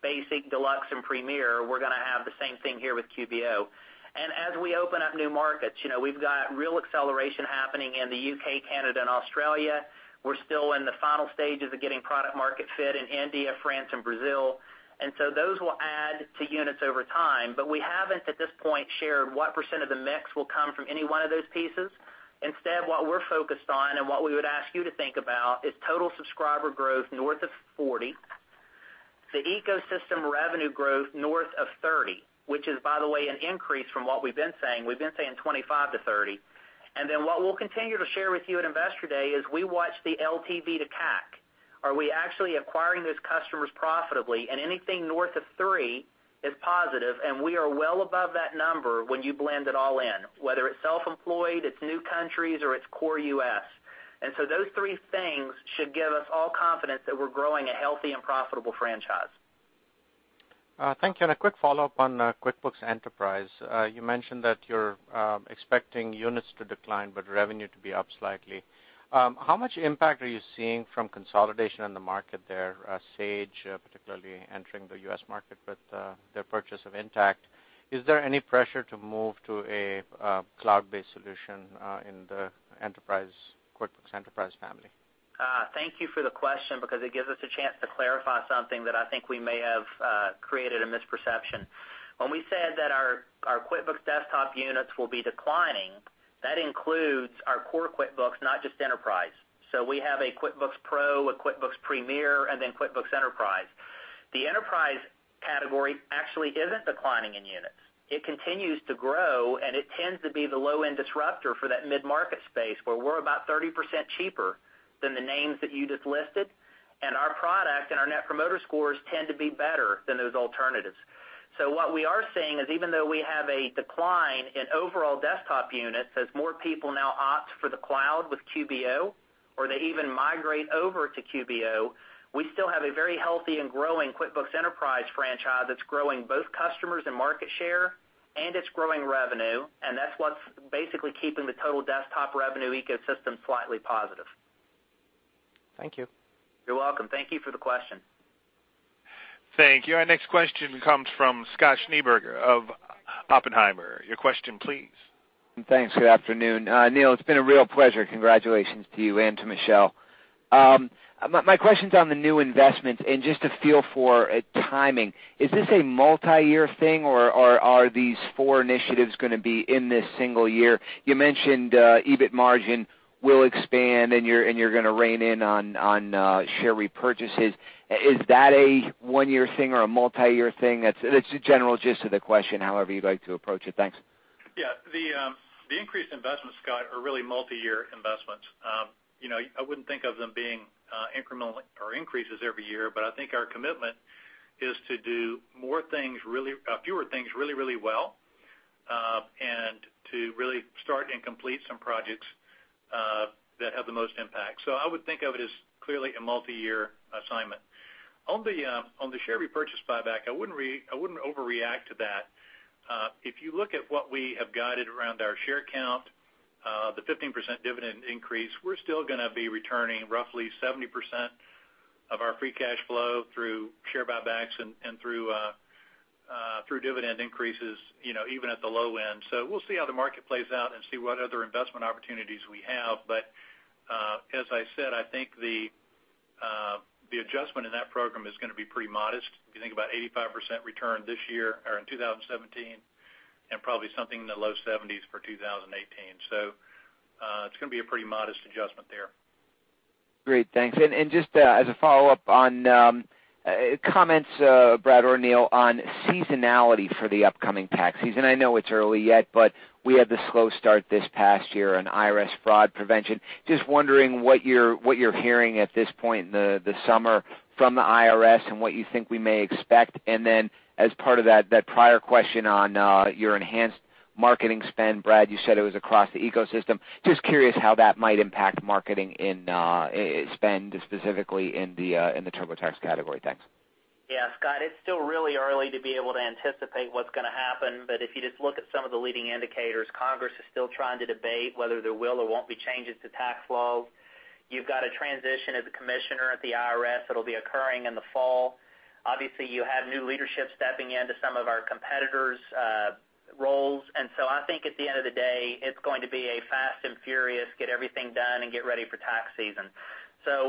Basic, Deluxe, and Premier, we're going to have the same thing here with QBO. As we open up new markets, we've got real acceleration happening in the U.K., Canada, and Australia. We're still in the final stages of getting product market fit in India, France, and Brazil. Those will add to units over time, we haven't, at this point, shared what % of the mix will come from any one of those pieces. Instead, what we're focused on and what we would ask you to think about is total subscriber growth north of 40%, the ecosystem revenue growth north of 30%, which is, by the way, an increase from what we've been saying. We've been saying 25%-30%. What we'll continue to share with you at Investor Day is we watch the LTV to CAC. Are we actually acquiring those customers profitably? Anything north of 3 is positive, and we are well above that number when you blend it all in, whether it's Self-Employed, it's new countries, or it's core U.S. Those three things should give us all confidence that we're growing a healthy and profitable franchise. Thank you. A quick follow-up on QuickBooks Enterprise. You mentioned that you're expecting units to decline, revenue to be up slightly. How much impact are you seeing from consolidation in the market there, Sage particularly entering the U.S. market with their purchase of Intacct? Is there any pressure to move to a cloud-based solution in the QuickBooks Enterprise family? Thank you for the question because it gives us a chance to clarify something that I think we may have created a misperception. When we said that our QuickBooks Desktop units will be declining, that includes our core QuickBooks, not just Enterprise. We have a QuickBooks Pro, a QuickBooks Premier, and then QuickBooks Enterprise. The Enterprise category actually isn't declining in units. It continues to grow, and it tends to be the low-end disruptor for that mid-market space, where we're about 30% cheaper than the names that you just listed, and our product and our Net Promoter Scores tend to be better than those alternatives. What we are seeing is even though we have a decline in overall desktop units as more people now opt for the cloud with QBO, or they even migrate over to QBO, we still have a very healthy and growing QuickBooks Enterprise franchise that's growing both customers and market share, and it's growing revenue, and that's what's basically keeping the total desktop revenue ecosystem slightly positive. Thank you. You're welcome. Thank you for the question. Thank you. Our next question comes from Scott Schneeberger of Oppenheimer. Your question, please. Thanks. Good afternoon. Neil, it's been a real pleasure. Congratulations to you and to Michelle. My question's on the new investments and just a feel for timing. Is this a multi-year thing, or are these four initiatives going to be in this single year? You mentioned EBIT margin will expand, and you're going to rein in on share repurchases. Is that a one-year thing or a multi-year thing? That's the general gist of the question, however you'd like to approach it. Thanks. The increased investments, Scott, are really multi-year investments. I wouldn't think of them being incremental or increases every year, but I think our commitment is to do fewer things really well, and to really start and complete some projects that have the most impact. I would think of it as clearly a multi-year assignment. On the share repurchase buyback, I wouldn't overreact to that. If you look at what we have guided around our share count, the 15% dividend increase, we're still going to be returning roughly 70% of our free cash flow through share buybacks and through dividend increases, even at the low end. We'll see how the market plays out and see what other investment opportunities we have. As I said, I think the adjustment in that program is going to be pretty modest. If you think about 85% return this year, or in 2017, and probably something in the low 70s for 2018. It's going to be a pretty modest adjustment there. Great. Thanks. Just as a follow-up on comments, Brad or Neil, on seasonality for the upcoming tax season. I know it's early yet, but we had the slow start this past year on IRS fraud prevention. Just wondering what you're hearing at this point in the summer from the IRS and what you think we may expect. As part of that prior question on your enhanced marketing spend, Brad, you said it was across the ecosystem. Just curious how that might impact marketing in spend, specifically in the TurboTax category. Thanks. Yeah, Scott, it's still really early to be able to anticipate what's going to happen, but if you just look at some of the leading indicators, Congress is still trying to debate whether there will or won't be changes to tax law. You've got a transition as a commissioner at the IRS that'll be occurring in the fall. Obviously, you have new leadership stepping into some of our competitors' roles. I think at the end of the day, it's going to be a fast and furious get everything done and get ready for tax season.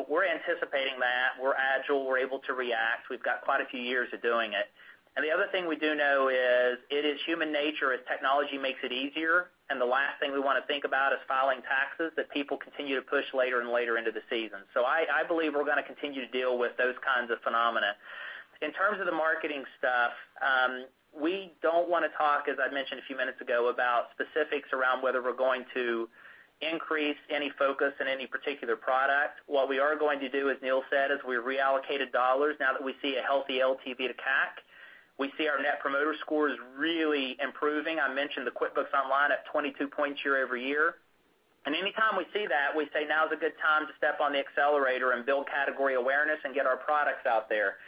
We're anticipating that. We're agile, we're able to react. We've got quite a few years of doing it. The other thing we do know is it is human nature, as technology makes it easier, and the last thing we want to think about is filing taxes, that people continue to push later and later into the season. I believe we're going to continue to deal with those kinds of phenomena. In terms of the marketing stuff, we don't want to talk, as I mentioned a few minutes ago, about specifics around whether we're going to increase any focus in any particular product. What we are going to do, as Neil said, is we reallocated dollars now that we see a healthy LTV to CAC. We see our Net Promoter Score is really improving. I mentioned the QuickBooks Online up 22 points year-over-year. Any time we see that, we say, "Now's a good time to step on the accelerator and build category awareness and get our products out there."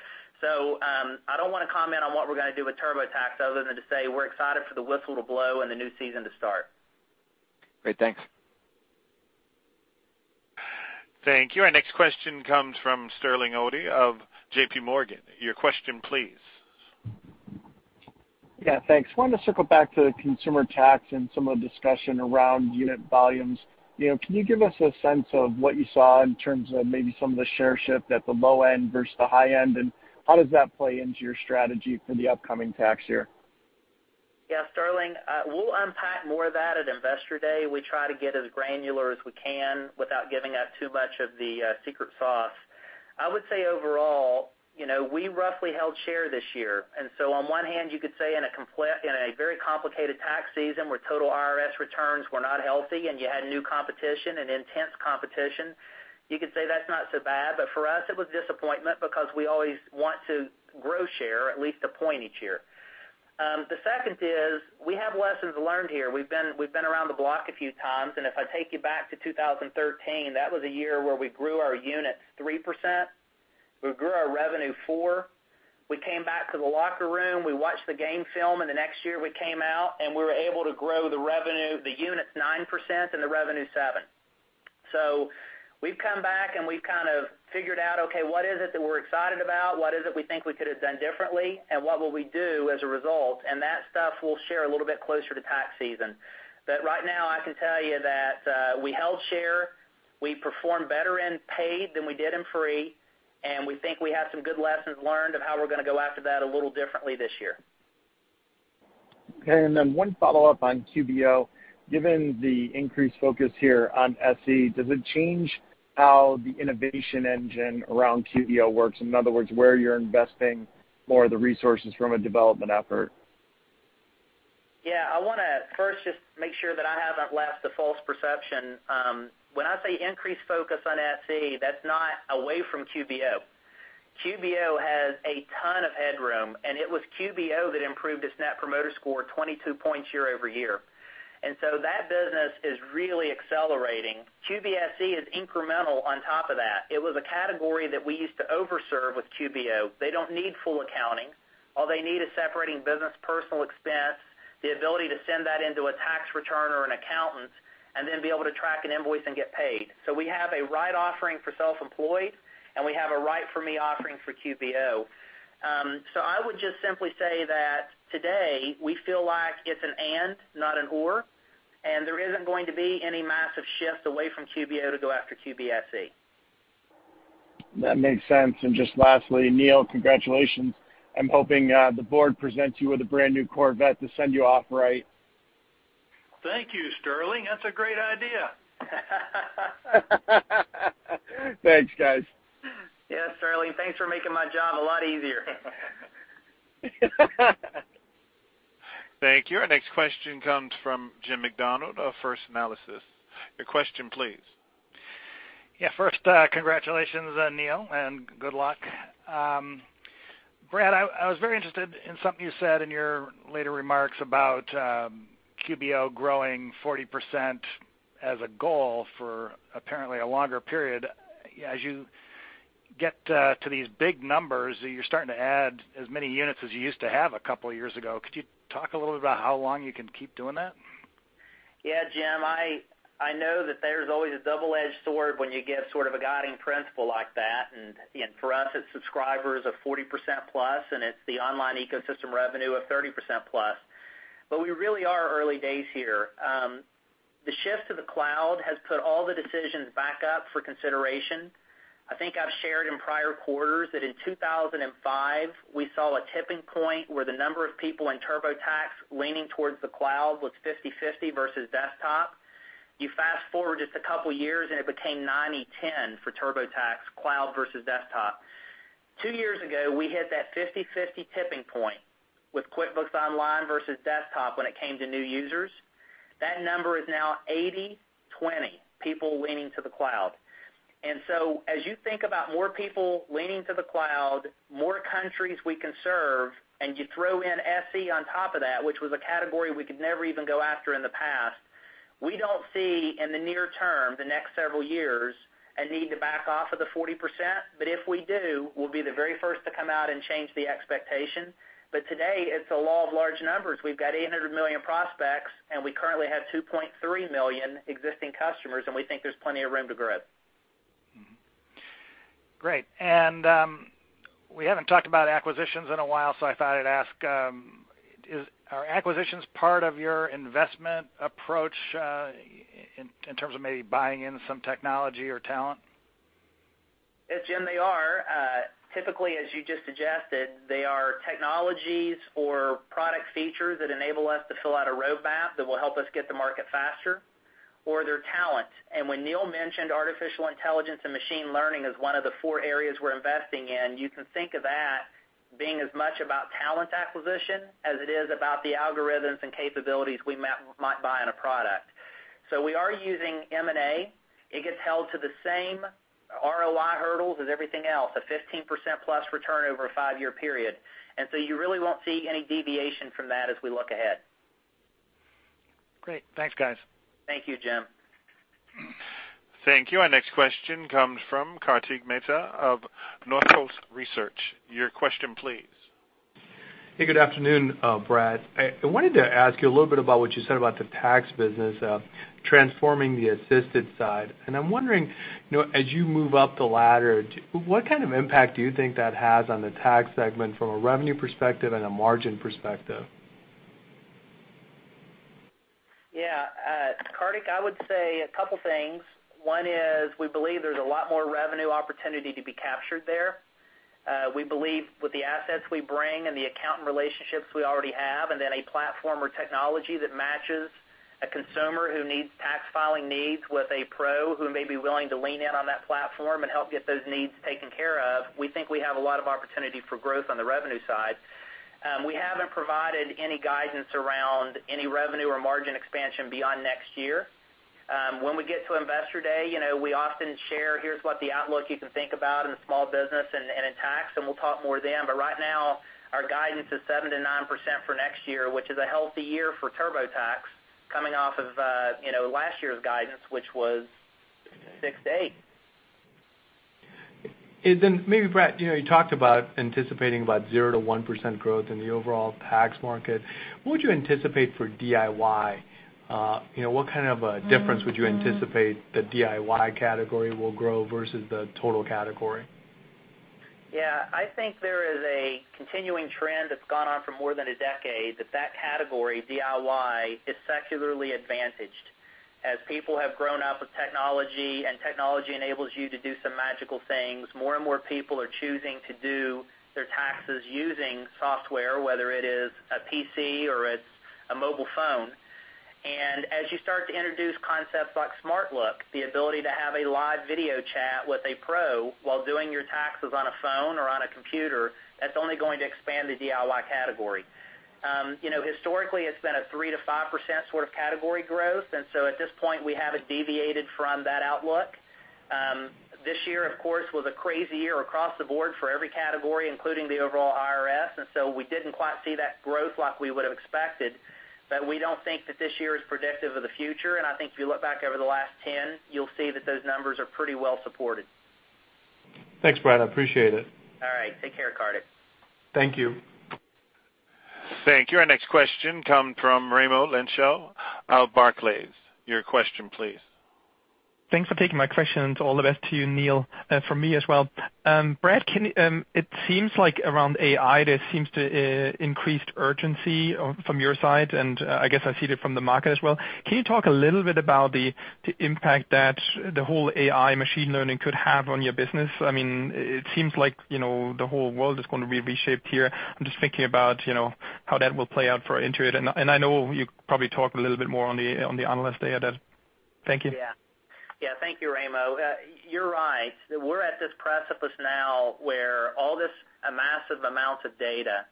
I don't want to comment on what we're going to do with TurboTax other than to say we're excited for the whistle to blow and the new season to start. Great. Thanks. Thank you. Our next question comes from Sterling Auty of JP Morgan. Your question please. Yeah, thanks. Wanted to circle back to consumer tax and some of the discussion around unit volumes. Can you give us a sense of what you saw in terms of maybe some of the share shift at the low end versus the high end, and how does that play into your strategy for the upcoming tax year? Yeah, Sterling, we'll unpack more of that at Investor Day. We try to get as granular as we can without giving up too much of the secret sauce. I would say overall, we roughly held share this year. On one hand, you could say in a very complicated tax season where total IRS returns were not healthy and you had new competition and intense competition, you could say that's not so bad. For us, it was a disappointment because we always want to grow share at least a point each year. The second is we have lessons learned here. We've been around the block a few times. If I take you back to 2013, that was a year where we grew our units 3%, we grew our revenue 4%. We came back to the locker room, we watched the game film. The next year we came out and we were able to grow the units 9% and the revenue 7%. We've come back and we've kind of figured out, okay, what is it that we're excited about? What is it we think we could have done differently? What will we do as a result? That stuff we'll share a little bit closer to tax season. Right now, I can tell you that we held share, we performed better in paid than we did in free. We think we have some good lessons learned of how we're going to go after that a little differently this year. One follow-up on QBO. Given the increased focus here on SE, does it change how the innovation engine around QBO works? In other words, where you're investing more of the resources from a development effort? I want to first just make sure that I haven't left a false perception. When I say increased focus on SE, that's not away from QBO. QBO has a ton of headroom. It was QBO that improved its Net Promoter Score 22 points year-over-year. That business is really accelerating. QBSE is incremental on top of that. It was a category that we used to over-serve with QBO. They don't need full accounting. All they need is separating business personal expense, the ability to send that into a tax return or an accountant. Then be able to track an invoice and get paid. We have a right offering for self-employed, and we have a right for me offering for QBO. I would just simply say that today we feel like it's an and, not an or, and there isn't going to be any massive shift away from QBO to go after QBSE. That makes sense. Just lastly, Neil, congratulations. I'm hoping the board presents you with a brand new Corvette to send you off right. Thank you, Sterling. That's a great idea. Thanks, guys. Yes, Sterling, thanks for making my job a lot easier. Thank you. Our next question comes from Jim Macdonald of First Analysis. Your question, please. Yeah. First, congratulations, Neil, and good luck. Brad, I was very interested in something you said in your later remarks about QBO growing 40% as a goal for apparently a longer period. As you get to these big numbers, you're starting to add as many units as you used to have a couple of years ago. Could you talk a little bit about how long you can keep doing that? Yeah, Jim, I know that there's always a double-edged sword when you give sort of a guiding principle like that, and for us, it's subscribers of 40% plus, and it's the online ecosystem revenue of 30% plus. We really are early days here. The shift to the cloud has put all the decisions back up for consideration. I think I've shared in prior quarters that in 2005, we saw a tipping point where the number of people in TurboTax leaning towards the cloud was 50/50 versus desktop. You fast-forward just a couple years, and it became 90/10 for TurboTax cloud versus desktop. Two years ago, we hit that 50/50 tipping point with QuickBooks Online versus desktop when it came to new users. That number is now 80/20, people leaning to the cloud. As you think about more people leaning to the cloud, more countries we can serve, and you throw in SE on top of that, which was a category we could never even go after in the past, we don't see in the near term, the next several years, a need to back off of the 40%. If we do, we'll be the very first to come out and change the expectation. Today, it's the law of large numbers. We've got 800 million prospects, and we currently have 2.3 million existing customers, and we think there's plenty of room to grow. Great. We haven't talked about acquisitions in a while, so I thought I'd ask, are acquisitions part of your investment approach, in terms of maybe buying in some technology or talent? Yes, Jim, they are. Typically, as you just suggested, they are technologies or product features that enable us to fill out a roadmap that will help us get to market faster, or they're talent. When Neil mentioned artificial intelligence and machine learning as one of the four areas we're investing in, you can think of that being as much about talent acquisition as it is about the algorithms and capabilities we might buy in a product. We are using M&A. It gets held to the same ROI hurdles as everything else, a 15% plus return over a five-year period. You really won't see any deviation from that as we look ahead. Great. Thanks, guys. Thank you, Jim. Thank you. Our next question comes from Kartik Mehta of Northcoast Research. Your question, please. Hey, good afternoon, Brad. I wanted to ask you a little bit about what you said about the Tax business, transforming the assisted side. I'm wondering, as you move up the ladder, what kind of impact do you think that has on the Tax segment from a revenue perspective and a margin perspective? Yeah. Kartik, I would say a couple things. One is, we believe there's a lot more revenue opportunity to be captured there. We believe with the assets we bring and the accountant relationships we already have, then a platform or technology that matches a consumer who needs tax filing needs with a pro who may be willing to lean in on that platform and help get those needs taken care of, we think we have a lot of opportunity for growth on the revenue side. We haven't provided any guidance around any revenue or margin expansion beyond next year. When we get to Investor Day, we often share, here's what the outlook you can think about in Small Business and in Tax, we'll talk more then. Right now, our guidance is 7%-9% for next year, which is a healthy year for TurboTax coming off of last year's guidance, which was 6%-8%. Then maybe, Brad, you talked about anticipating about 0%-1% growth in the overall tax market. What would you anticipate for DIY? What kind of a difference would you anticipate the DIY category will grow versus the total category? I think there is a continuing trend that's gone on for more than a decade, that that category, DIY, is secularly advantaged. As people have grown up with technology and technology enables you to do some magical things, more and more people are choosing to do their taxes using software, whether it is a PC or it's a mobile phone. As you start to introduce concepts like SmartLook, the ability to have a live video chat with a pro while doing your taxes on a phone or on a computer, that's only going to expand the DIY category. Historically, it's been a 3%-5% sort of category growth, at this point, we haven't deviated from that outlook. This year, of course, was a crazy year across the board for every category, including the overall IRS, we didn't quite see that growth like we would've expected. We don't think that this year is predictive of the future, I think if you look back over the last 10, you'll see that those numbers are pretty well-supported. Thanks, Brad. I appreciate it. All right. Take care, Kartik. Thank you. Thank you. Our next question come from Raimo Lenschow of Barclays. Your question, please. Thanks for taking my question, and all the best to you, Neil, from me as well. Brad, it seems like around AI, there seems to increased urgency from your side, and I guess I see it from the market as well. Can you talk a little bit about the impact that the whole AI machine learning could have on your business? It seems like the whole world is going to be reshaped here. I'm just thinking about how that will play out for Intuit. I know you probably talk a little bit more on the analyst day at that. Thank you. Yeah. Thank you, Raimo. You're right. We're at this precipice now where all this massive amount of data,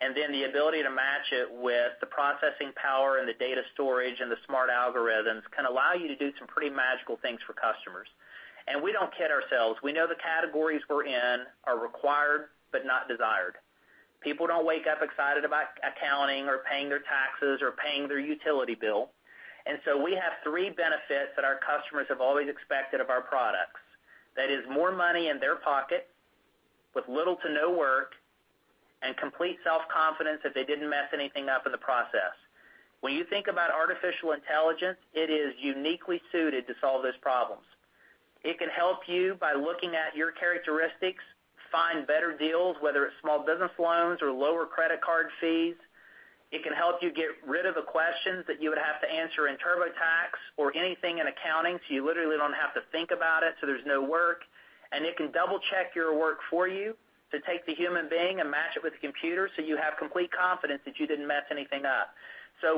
and then the ability to match it with the processing power and the data storage and the smart algorithms, can allow you to do some pretty magical things for customers. We don't kid ourselves. We know the categories we're in are required, but not desired. People don't wake up excited about accounting or paying their taxes or paying their utility bill. We have three benefits that our customers have always expected of our products. That is more money in their pocket, with little to no work, and complete self-confidence that they didn't mess anything up in the process. When you think about artificial intelligence, it is uniquely suited to solve those problems. It can help you by looking at your characteristics, find better deals, whether it's small business loans or lower credit card fees. It can help you get rid of the questions that you would have to answer in TurboTax or anything in accounting, so you literally don't have to think about it, so there's no work. It can double-check your work for you to take the human being and match it with the computer so you have complete confidence that you didn't mess anything up.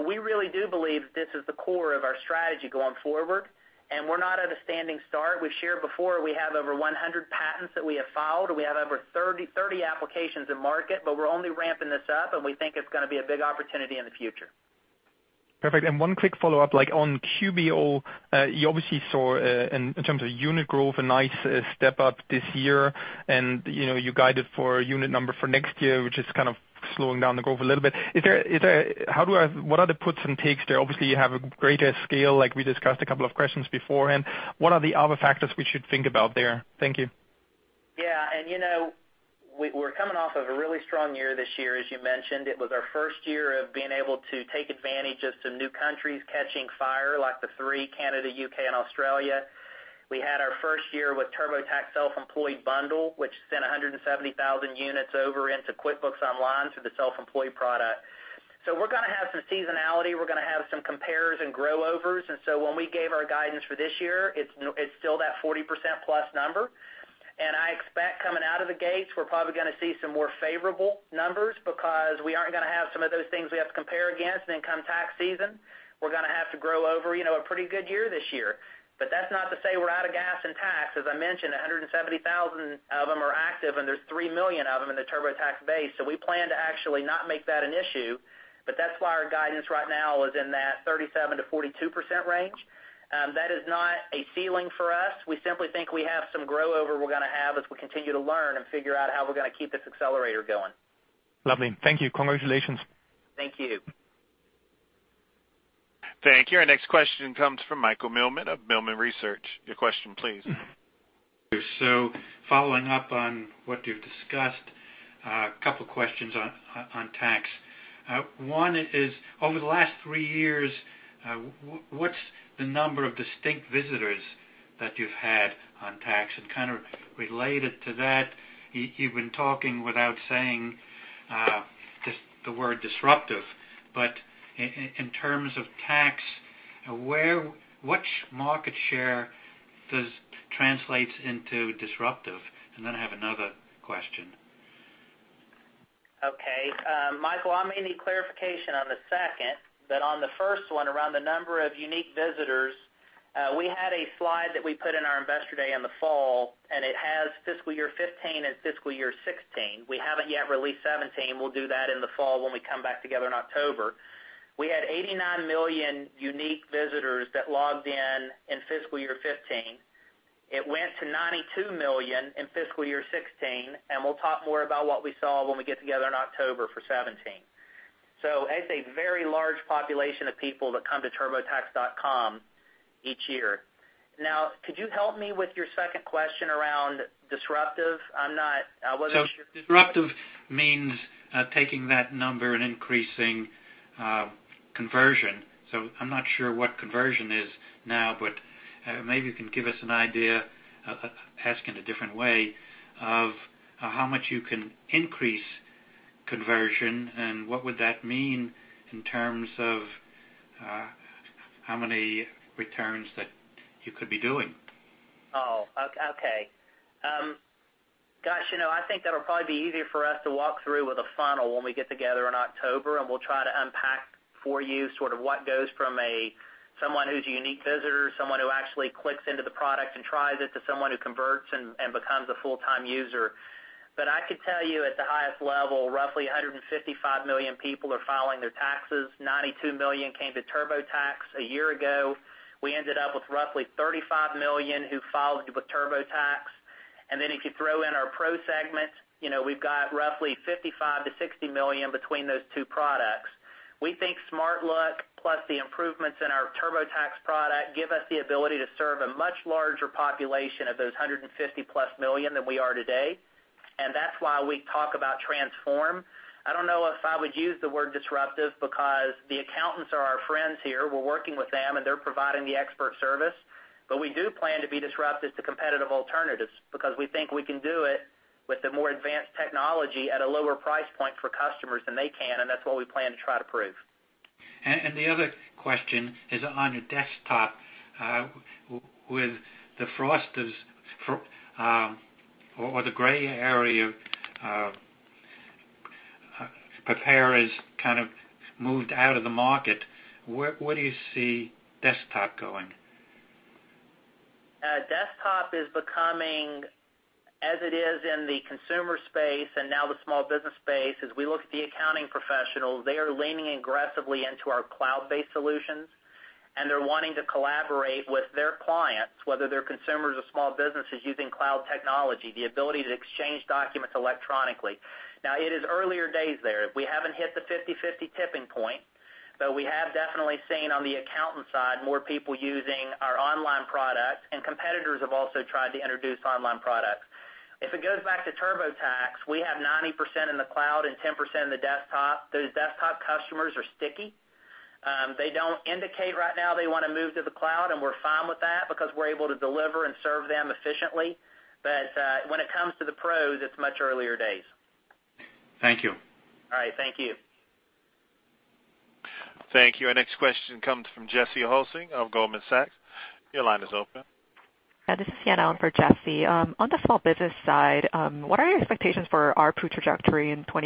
We really do believe this is the core of our strategy going forward, and we're not at a standing start. We've shared before, we have over 100 patents that we have filed, and we have over 30 applications in market, but we're only ramping this up and we think it's going to be a big opportunity in the future. Perfect. One quick follow-up, on QBO, you obviously saw, in terms of unit growth, a nice step up this year, and you guided for unit number for next year, which is kind of slowing down the growth a little bit. What are the puts and takes there? Obviously, you have a greater scale, like we discussed a couple of questions beforehand. What are the other factors we should think about there? Thank you. Yeah. We're coming off of a really strong year this year, as you mentioned. It was our first year of being able to take advantage of some new countries catching fire, like the three, Canada, U.K. and Australia. We had our first year with TurboTax Self-Employed Bundle, which sent 170,000 units over into QuickBooks Online through the self-employed product. We're going to have some seasonality, we're going to have some compares and grow overs, when we gave our guidance for this year, it's still that 40% plus number. I expect coming out of the gates, we're probably going to see some more favorable numbers because we aren't going to have some of those things we have to compare against in income tax season. We're going to have to grow over a pretty good year this year. That's not to say we're out of gas in Tax. As I mentioned, 170,000 of them are active, and there's three million of them in the TurboTax base. We plan to actually not make that an issue. That's why our guidance right now is in that 37%-42% range. That is not a ceiling for us. We simply think we have some grow over we're going to have as we continue to learn and figure out how we're going to keep this accelerator going. Lovely. Thank you. Congratulations. Thank you. Thank you. Our next question comes from Michael Millman of Millman Research. Your question, please. Following up on what you've discussed, a couple questions on Tax. One is, over the last three years, what's the number of distinct visitors that you've had on Tax? Kind of related to that, you've been talking without saying the word disruptive, but in terms of Tax, which market share translates into disruptive? Then I have another question. Okay. Michael, I may need clarification on the second, on the first one, around the number of unique visitors, we had a slide that we put in our investor day in the fall, and it has fiscal year 2015 and fiscal year 2016. We haven't yet released 2017. We'll do that in the fall when we come back together in October. We had 89 million unique visitors that logged in in fiscal year 2015. It went to 92 million in fiscal year 2016, and we'll talk more about what we saw when we get together in October for 2017. It's a very large population of people that come to turbotax.com each year. Could you help me with your second question around disruptive? I wasn't sure. Disruptive means taking that number and increasing conversion. I'm not sure what conversion is now, maybe you can give us an idea, ask in a different way, of how much you can increase conversion, and what would that mean in terms of how many returns that you could be doing? Oh, okay. Gosh, I think that'll probably be easier for us to walk through with a funnel when we get together in October, and we'll try to unpack for you sort of what goes from someone who's a unique visitor, someone who actually clicks into the product and tries it, to someone who converts and becomes a full-time user. I could tell you at the highest level, roughly 155 million people are filing their taxes. 92 million came to TurboTax a year ago. We ended up with roughly 35 million who filed with TurboTax. If you throw in our pro segment, we've got roughly 55 million-60 million between those two products. We think SmartLook plus the improvements in our TurboTax product give us the ability to serve a much larger population of those 150-plus million than we are today, and that's why we talk about transform. I don't know if I would use the word disruptive because the accountants are our friends here. We're working with them and they're providing the expert service. We do plan to be disruptive to competitive alternatives because we think we can do it with the more advanced technology at a lower price point for customers than they can, and that's what we plan to try to prove. The other question is on your desktop, with the Frost & Sullivan has kind of moved out of the market. Where do you see Desktop going? Desktop is becoming, as it is in the consumer space and now the small business space, as we look at the accounting professionals, they are leaning aggressively into our cloud-based solutions, and they're wanting to collaborate with their clients, whether they're consumers or small businesses using cloud technology, the ability to exchange documents electronically. It is earlier days there. We haven't hit the 50/50 tipping point, but we have definitely seen on the accountant side, more people using our online products, and competitors have also tried to introduce online products. If it goes back to TurboTax, we have 90% in the cloud and 10% in the Desktop. Those Desktop customers are sticky. They don't indicate right now they want to move to the cloud, and we're fine with that because we're able to deliver and serve them efficiently. When it comes to the pros, it's much earlier days. Thank you. All right. Thank you. Thank you. Our next question comes from Anna of Goldman Sachs. Your line is open. This is Anna for Jesse. On the small business side, what are your expectations for ARPU trajectory in fiscal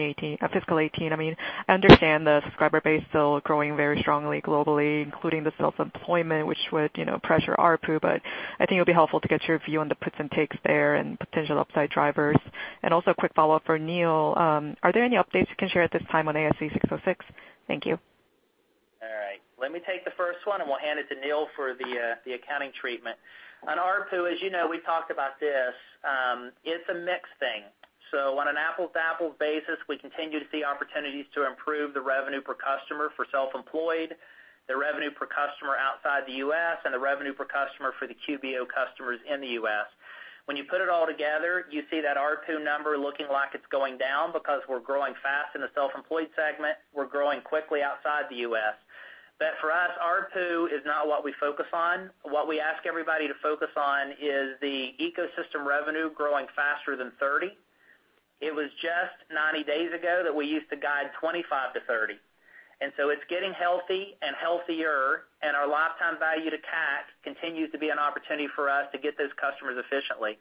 2018? I understand the subscriber base still growing very strongly globally, including the self-employment, which would pressure ARPU, but I think it would be helpful to get your view on the puts and takes there and potential upside drivers. Also a quick follow-up for Neil. Are there any updates you can share at this time on ASC 606? Thank you. All right. We'll hand it to Neil for the accounting treatment. On ARPU, as you know, we talked about this. It's a mix thing. On an apples to apples basis, we continue to see opportunities to improve the revenue per customer for self-employed, the revenue per customer outside the U.S., and the revenue per customer for the QBO customers in the U.S. When you put it all together, you see that ARPU number looking like it's going down because we're growing fast in the self-employed segment. We're growing quickly outside the U.S. For us, ARPU is not what we focus on. What we ask everybody to focus on is the ecosystem revenue growing faster than 30%. It was just 90 days ago that we used to guide 25%-30%. It's getting healthy and healthier, and our LTV to CAC continues to be an opportunity for us to get those customers efficiently.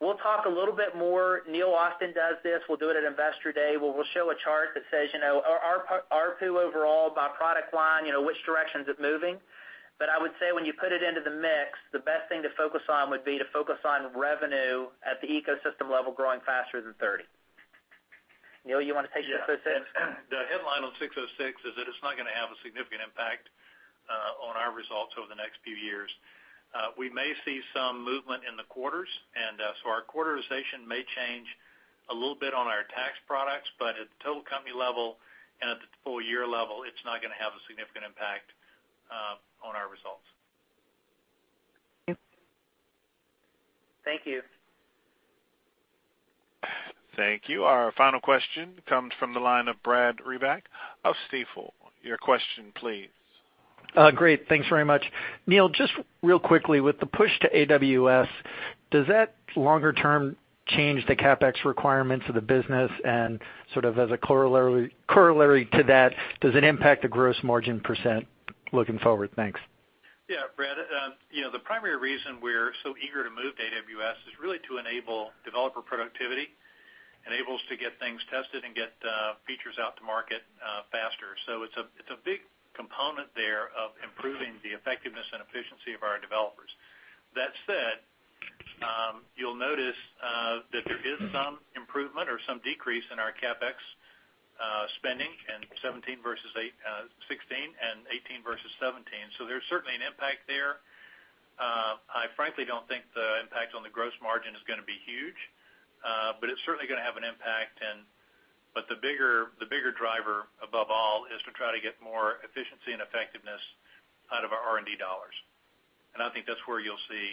We'll talk a little bit more. Neil often does this. We'll do it at Investor Day, where we'll show a chart that says, our ARPU overall by product line, which direction is it moving? I would say when you put it into the mix, the best thing to focus on would be to focus on revenue at the ecosystem level growing faster than 30%. Neil, you want to take 606? Yeah. The headline on 606 is that it's not going to have a significant impact on our results over the next few years. We may see some movement in the quarters, our quarterization may change a little bit on our tax products, at the total company level and at the full year level, it's not going to have a significant impact on our results. Thank you. Thank you. Thank you. Our final question comes from the line of Brad Reback of Stifel. Your question, please. Great. Thanks very much. Neil, just real quickly, with the push to AWS, does that longer term change the CapEx requirements of the business? Sort of as a corollary to that, does it impact the gross margin % looking forward? Thanks. Yeah, Brad. The primary reason we're so eager to move to AWS is really to enable developer productivity, enable us to get things tested and get features out to market faster. It's a big component there of improving the effectiveness and efficiency of our developers. That said, you'll notice that there is some improvement or some decrease in our CapEx spending in 2017 versus 2016, and 2018 versus 2017. There's certainly an impact there. I frankly don't think the impact on the gross margin is going to be huge. It's certainly going to have an impact, but the bigger driver above all is to try to get more efficiency and effectiveness out of our R&D dollars. I think that's where you'll see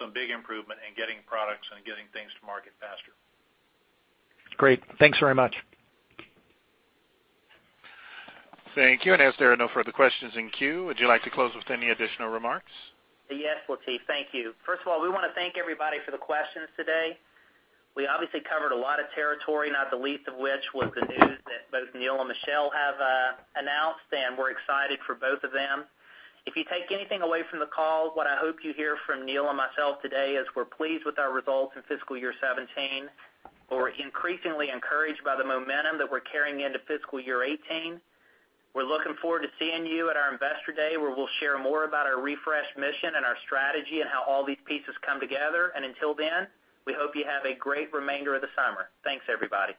some big improvement in getting products and getting things to market faster. Great. Thanks very much. Thank you. As there are no further questions in queue, would you like to close with any additional remarks? Yes, Latif, thank you. First of all, we want to thank everybody for the questions today. We obviously covered a lot of territory, not the least of which was the news that both Neil and Michelle have announced, and we're excited for both of them. If you take anything away from the call, what I hope you hear from Neil and myself today is we're pleased with our results in fiscal year 2017, but we're increasingly encouraged by the momentum that we're carrying into fiscal year 2018. We're looking forward to seeing you at our Investor Day, where we'll share more about our refreshed mission and our strategy and how all these pieces come together. Until then, we hope you have a great remainder of the summer. Thanks, everybody.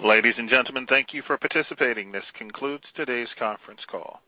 Ladies and gentlemen, thank you for participating. This concludes today's conference call.